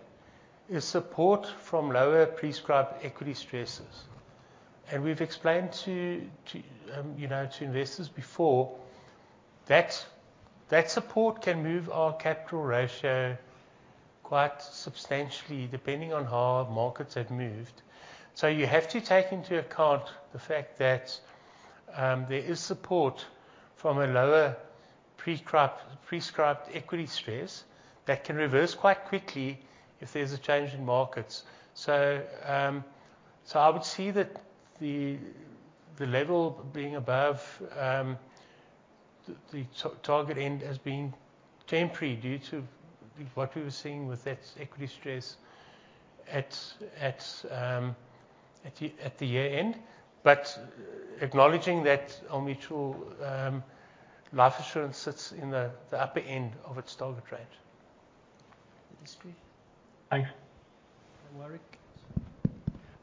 is support from lower prescribed equity stresses. We've explained to, you know, to investors before that support can move our capital ratio quite substantially depending on how markets have moved. You have to take into account the fact that there is support from a lower prescribed equity stress that can reverse quite quickly if there's a change in markets. I would see that the level being above the target end as being temporary due to what we were seeing with that equity stress at the year end. Acknowledging that Old Mutual life insurance sits in the upper end of its target range. That is true. Thank you. Warwick.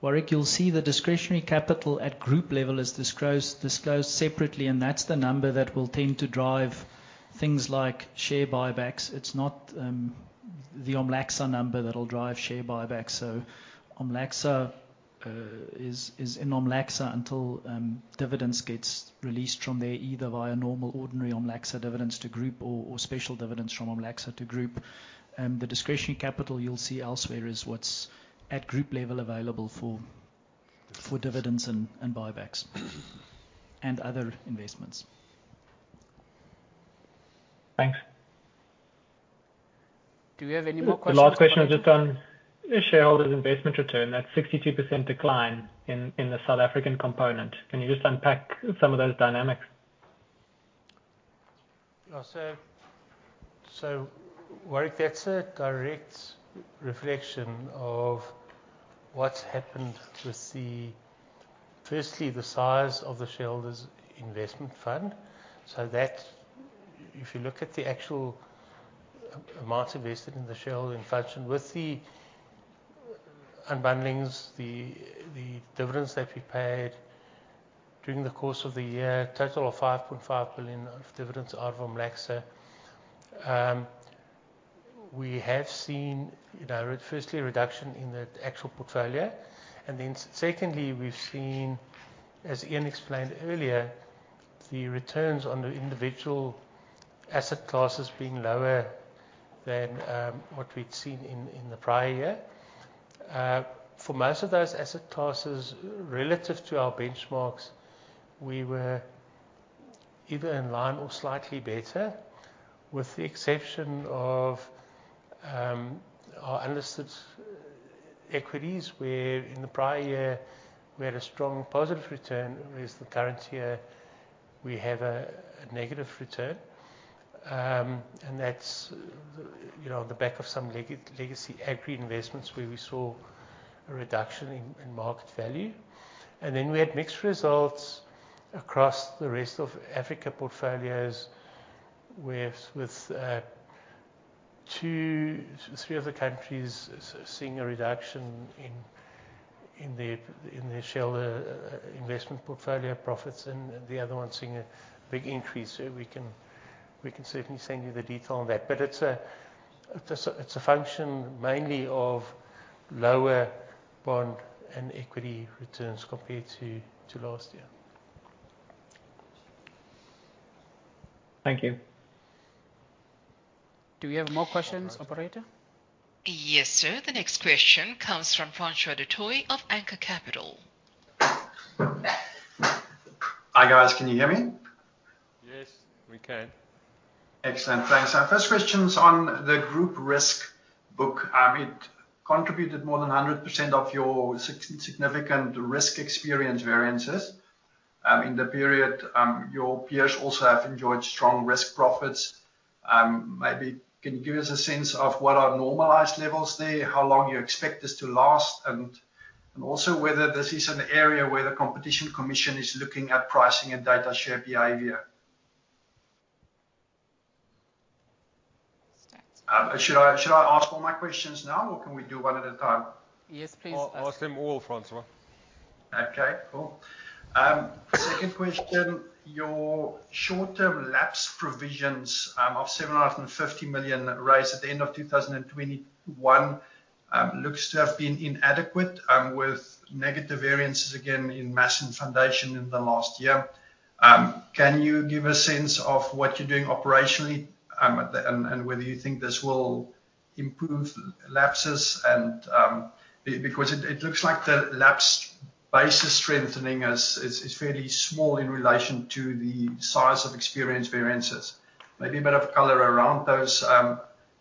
Warwick, you'll see the discretionary capital at group level is disclosed separately, and that's the number that will tend to drive things like share buybacks. It's not the OMLACSA number that'll drive share buybacks. OMLACSA is in OMLACSA until dividends gets released from there, either via normal, ordinary OMLACSA dividends to group or special dividends from OMLACSA to group. The discretionary capital you'll see elsewhere is what's at group level available for dividends and buybacks, and other investments. Thanks. Do we have any more questions? The last question is just on shareholders investment return, that 62% decline in the South African component. Can you just unpack some of those dynamics? Warwick, that's a direct reflection of what's happened with the, firstly, the size of the shareholders investment fund. That's, if you look at the actual amount invested in the shareholder investment function. With the unbundlings, the dividends that we paid during the course of the year, a total of 5.5 billion of dividends out of OMLACSA. We have seen, you know, firstly a reduction in the actual portfolio. Secondly, we've seen, as Iain explained earlier, the returns on the individual asset classes being lower than what we'd seen in the prior year. For most of those asset classes, relative to our benchmarks, we were either in line or slightly better, with the exception of our unlisted equities, where in the prior year we had a strong positive return, whereas the current year we have a negative return. That's, you know, on the back of some legacy agri investments where we saw a reduction in market value. We had mixed results across the rest of Africa portfolios with two, three of the countries seeing a reduction in their shareholder investment portfolio profits and the other one seeing a big increase. We can certainly send you the detail on that. It's a function mainly of lower bond and equity returns compared to last year. Thank you. Do we have more questions, operator? Yes, sir. The next question comes from Francois Du Toit of Anchor Capital. Hi, guys. Can you hear me? Yes, we can. Excellent. Thanks. Our first question's on the group risk book. It contributed more than 100% of your significant risk experience variances in the period. Your peers also have enjoyed strong risk profits. Maybe can you give us a sense of what are normalized levels there, how long you expect this to last, and also whether this is an area where the Competition Commission is looking at pricing and data share behavior? Should I ask all my questions now, or can we do one at a time? Yes, please ask. Ask them all, Francois. Okay, cool. Second question, your short-term lapse provisions of 750 million raised at the end of 2021, looks to have been inadequate, with negative variances again in Mass and Foundation in the last year. Can you give a sense of what you're doing operationally and whether you think this will improve lapses because it looks like the lapse base is strengthening as it's fairly small in relation to the size of experience variances. Maybe a bit of color around those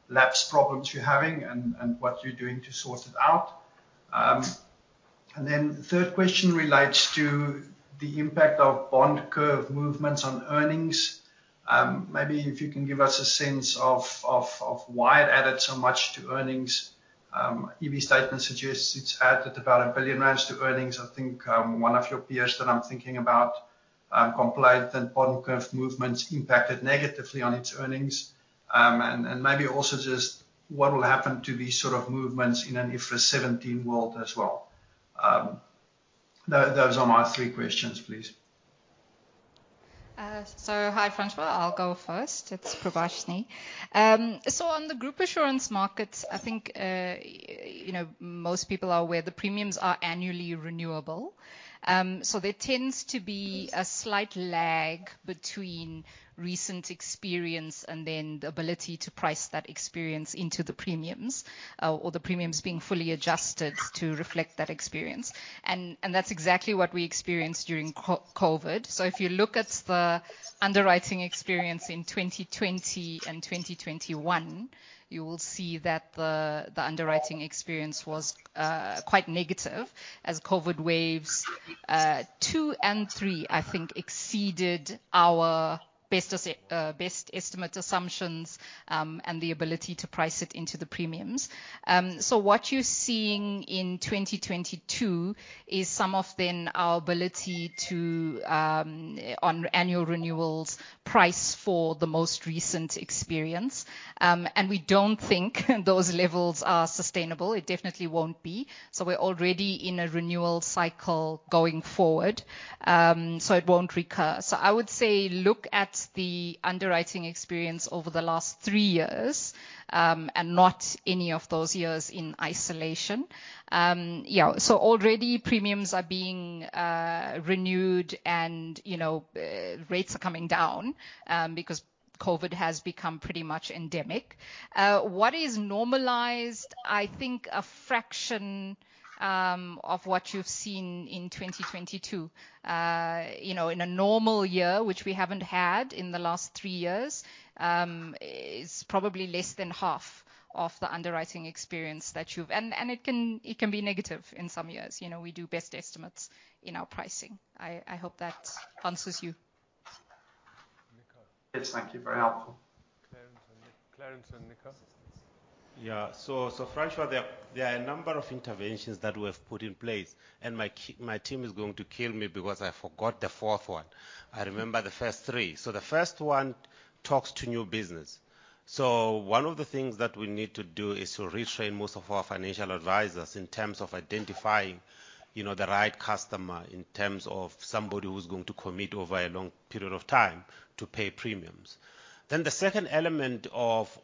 lapse problems you're having and what you're doing to sort it out. Third question relates to the impact of bond curve movements on earnings. Maybe if you can give us a sense of why it added so much to earnings. EV statement suggests it's added about 1 billion rand to earnings. I think, one of your peers that I'm thinking about, complied that bond curve movements impacted negatively on its earnings. Maybe also just what will happen to these sort of movements in an IFRS 17 world as well. Those are my three questions, please. Hi, Francois. I'll go first. It's Prabashini. On the Group Assurance markets, I think, you know, most people are aware the premiums are annually renewable. There tends to be a slight lag between recent experience and then the ability to price that experience into the premiums, or the premiums being fully adjusted to reflect that experience. That's exactly what we experienced during COVID. If you look at the underwriting experience in 2020 and 2021, you will see that the underwriting experience was quite negative as COVID waves two and three, I think, exceeded our best estimate assumptions and the ability to price it into the premiums. What you're seeing in 2022 is some of then our ability to, on annual renewals price for the most recent experience. We don't think those levels are sustainable. It definitely won't be. We're already in a renewal cycle going forward. It won't recur. I would say look at the underwriting experience over the last three years, not any of those years in isolation. Yeah. Already premiums are being renewed and, you know, rates are coming down because COVID has become pretty much endemic. What is normalized, I think a fraction of what you've seen in 2022, you know, in a normal year, which we haven't had in the last three years, is probably less than half of the underwriting experience that you've. It can be negative in some years. You know, we do best estimates in our pricing. I hope that answers you. Yes. Thank you. Very helpful. Clarence and Nicolaas. Yeah. Francois, there are a number of interventions that we have put in place and my team is going to kill me because I forgot the fourth one. I remember the first three. The first one talks to new business. One of the things that we need to do is to retrain most of our financial advisors in terms of identifying, you know, the right customer in terms of somebody who's going to commit over a long period of time to pay premiums. The second element of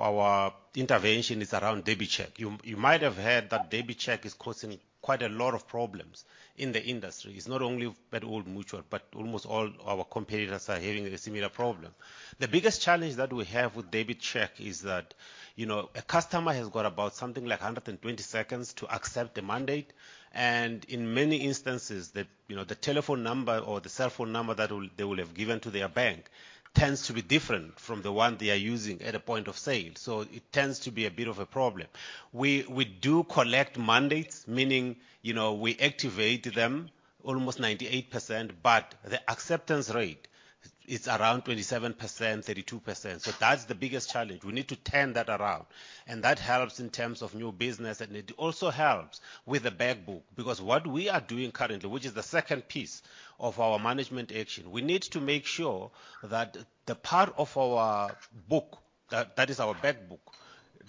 our intervention is around DebiCheck. You might have heard that DebiCheck is causing quite a lot of problems in the industry. It's not only Old Mutual, but almost all our competitors are having a similar problem. The biggest challenge that we have with DebiCheck is that, you know, a customer has got about something like 120 seconds to accept the mandate. In many instances, the, you know, the telephone number or the cell phone number they will have given to their bank tends to be different from the one they are using at a point of sale. It tends to be a bit of a problem. We do collect mandates, meaning, you know, we activate them almost 98%. The acceptance rate is around 27%-32%. That's the biggest challenge. We need to turn that around, that helps in terms of new business, and it also helps with the back book because what we are doing currently, which is the second piece of our management action, we need to make sure that the part of our book that is our back book,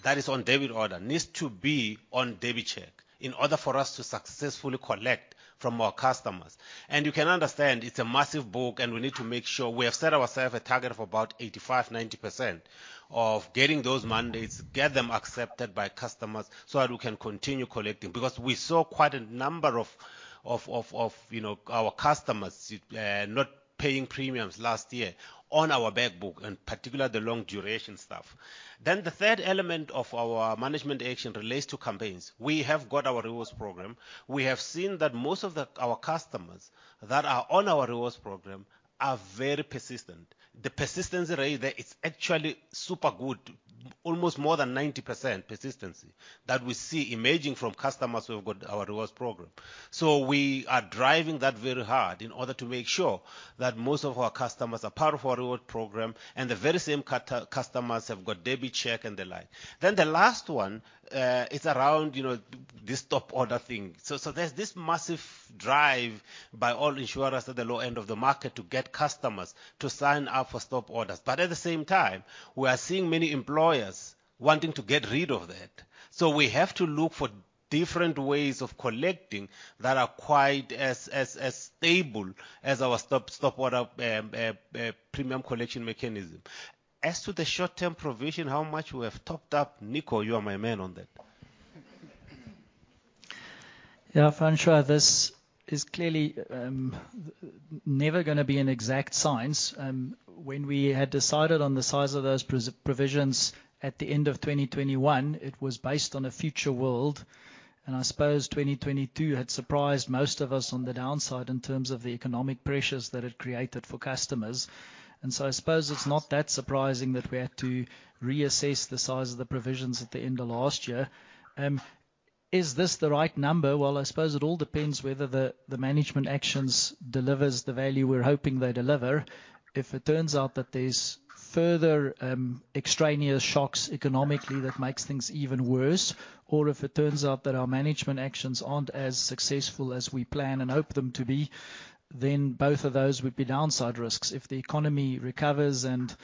that is on debit order, needs to be on DebiCheck in order for us to successfully collect from our customers. You can understand it's a massive book, and we need to make sure. We have set ourself a target of about 85%-90% of getting those mandates, get them accepted by customers so that we can continue collecting. We saw quite a number of, you know, our customers not paying premiums last year on our back book, and particularly the long duration stuff. The third element of our management action relates to campaigns. We have got our Rewards Program. We have seen that most of our customers that are on our Rewards Program are very persistent. The persistency rate there is actually super good, almost more than 90% persistency that we see emerging from customers who have got our Rewards Program. We are driving that very hard in order to make sure that most of our customers are part of our Rewards Program, and the very same customers have got DebiCheck and the like. The last one, you know, is around this top order thing. There's this massive drive- By all insurers at the low end of the market to get customers to sign up for stop orders. At the same time, we are seeing many employers wanting to get rid of that. We have to look for different ways of collecting that are quite as stable as our stop order premium collection mechanism. As to the short-term provision, how much we have topped up, Nico, you are my man on that. Yeah, Francois, this is clearly never gonna be an exact science. When we had decided on the size of those provisions at the end of 2021, it was based on a future world. I suppose 2022 had surprised most of us on the downside in terms of the economic pressures that it created for customers. I suppose it's not that surprising that we had to reassess the size of the provisions at the end of last year. Is this the right number? Well, I suppose it all depends whether the management actions delivers the value we're hoping they deliver. If it turns out that there's further, extraneous shocks economically that makes things even worse, or if it turns out that our management actions aren't as successful as we plan and hope them to be, then both of those would be downside risks. If the economy recovers and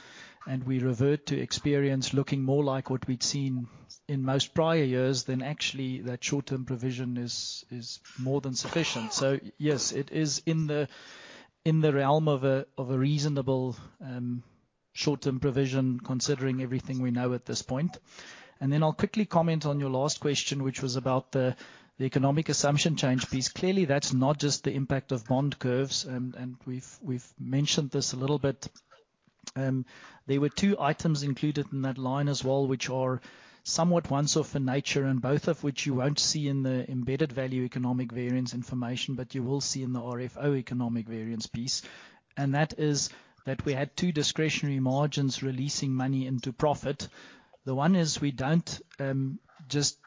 we revert to experience looking more like what we'd seen in most prior years, then actually that short-term provision is more than sufficient. Yes, it is in the realm of a reasonable, short-term provision considering everything we know at this point. I'll quickly comment on your last question, which was about the economic assumption change piece. Clearly, that's not just the impact of bond curves. We've mentioned this a little bit. There were two items included in that line as well, which are somewhat once-off in nature and both of which you won't see in the embedded value economic variance information, but you will see in the RFO economic variance piece. That is that we had two discretionary margins releasing money into profit. The one is we don't just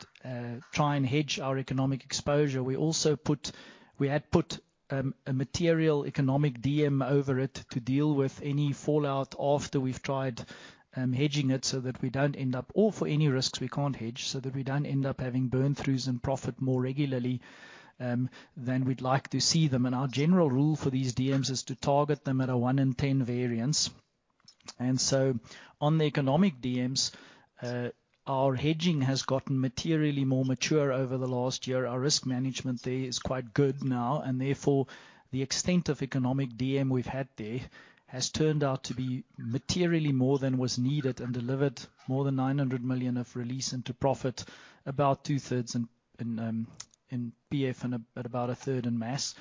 try and hedge our economic exposure. We had put a material economic DM over it to deal with any fallout after we've tried hedging it so that we don't end up, or for any risks we can't hedge, so that we don't end up having burn-throughs in profit more regularly than we'd like to see them. Our general rule for these DMs is to target them at a one in ten variance. On the economic DMs, our hedging has gotten materially more mature over the last year. Our risk management there is quite good now and therefore the extent of economic DM we've had there has turned out to be materially more than was needed and delivered more than 900 million of release into profit, about two-thirds in PF and about a third in Mass.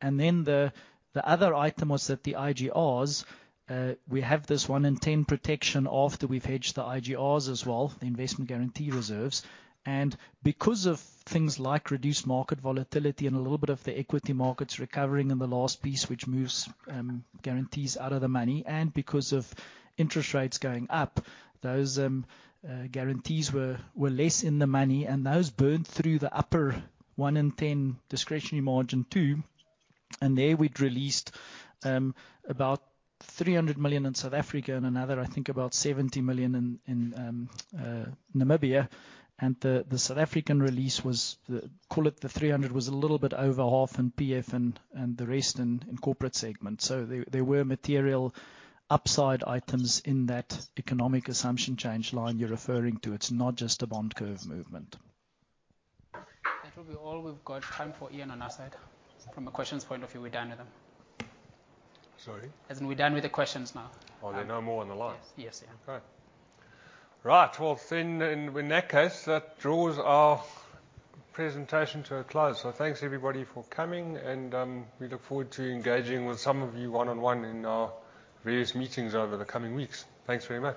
The other item was that the IGRs, we have this one in ten protection after we've hedged the IGRs as well, the investment guarantee reserves. Because of things like reduced market volatility and a little bit of the equity markets recovering in the last piece, which moves guarantees out of the money, and because of interest rates going up, those guarantees were less in the money and those burned through the upper one in ten discretionary margin too. There we'd released about 300 million in South Africa and another, I think about 70 million in Namibia. The South African release was the, call it the 300 million, was a little bit over half in PF and the rest in corporate segment. There were material upside items in that economic assumption change line you're referring to. It's not just a bond curve movement. That will be all we've got time for Iain on our side. From a questions point of view, we're done with them. Sorry? As in we're done with the questions now. Oh, there are no more on the line? Yes. Yes, Iain. Okay. Right. In that case, that draws our presentation to a close. Thanks everybody for coming and we look forward to engaging with some of you one-on-one in our various meetings over the coming weeks. Thanks very much.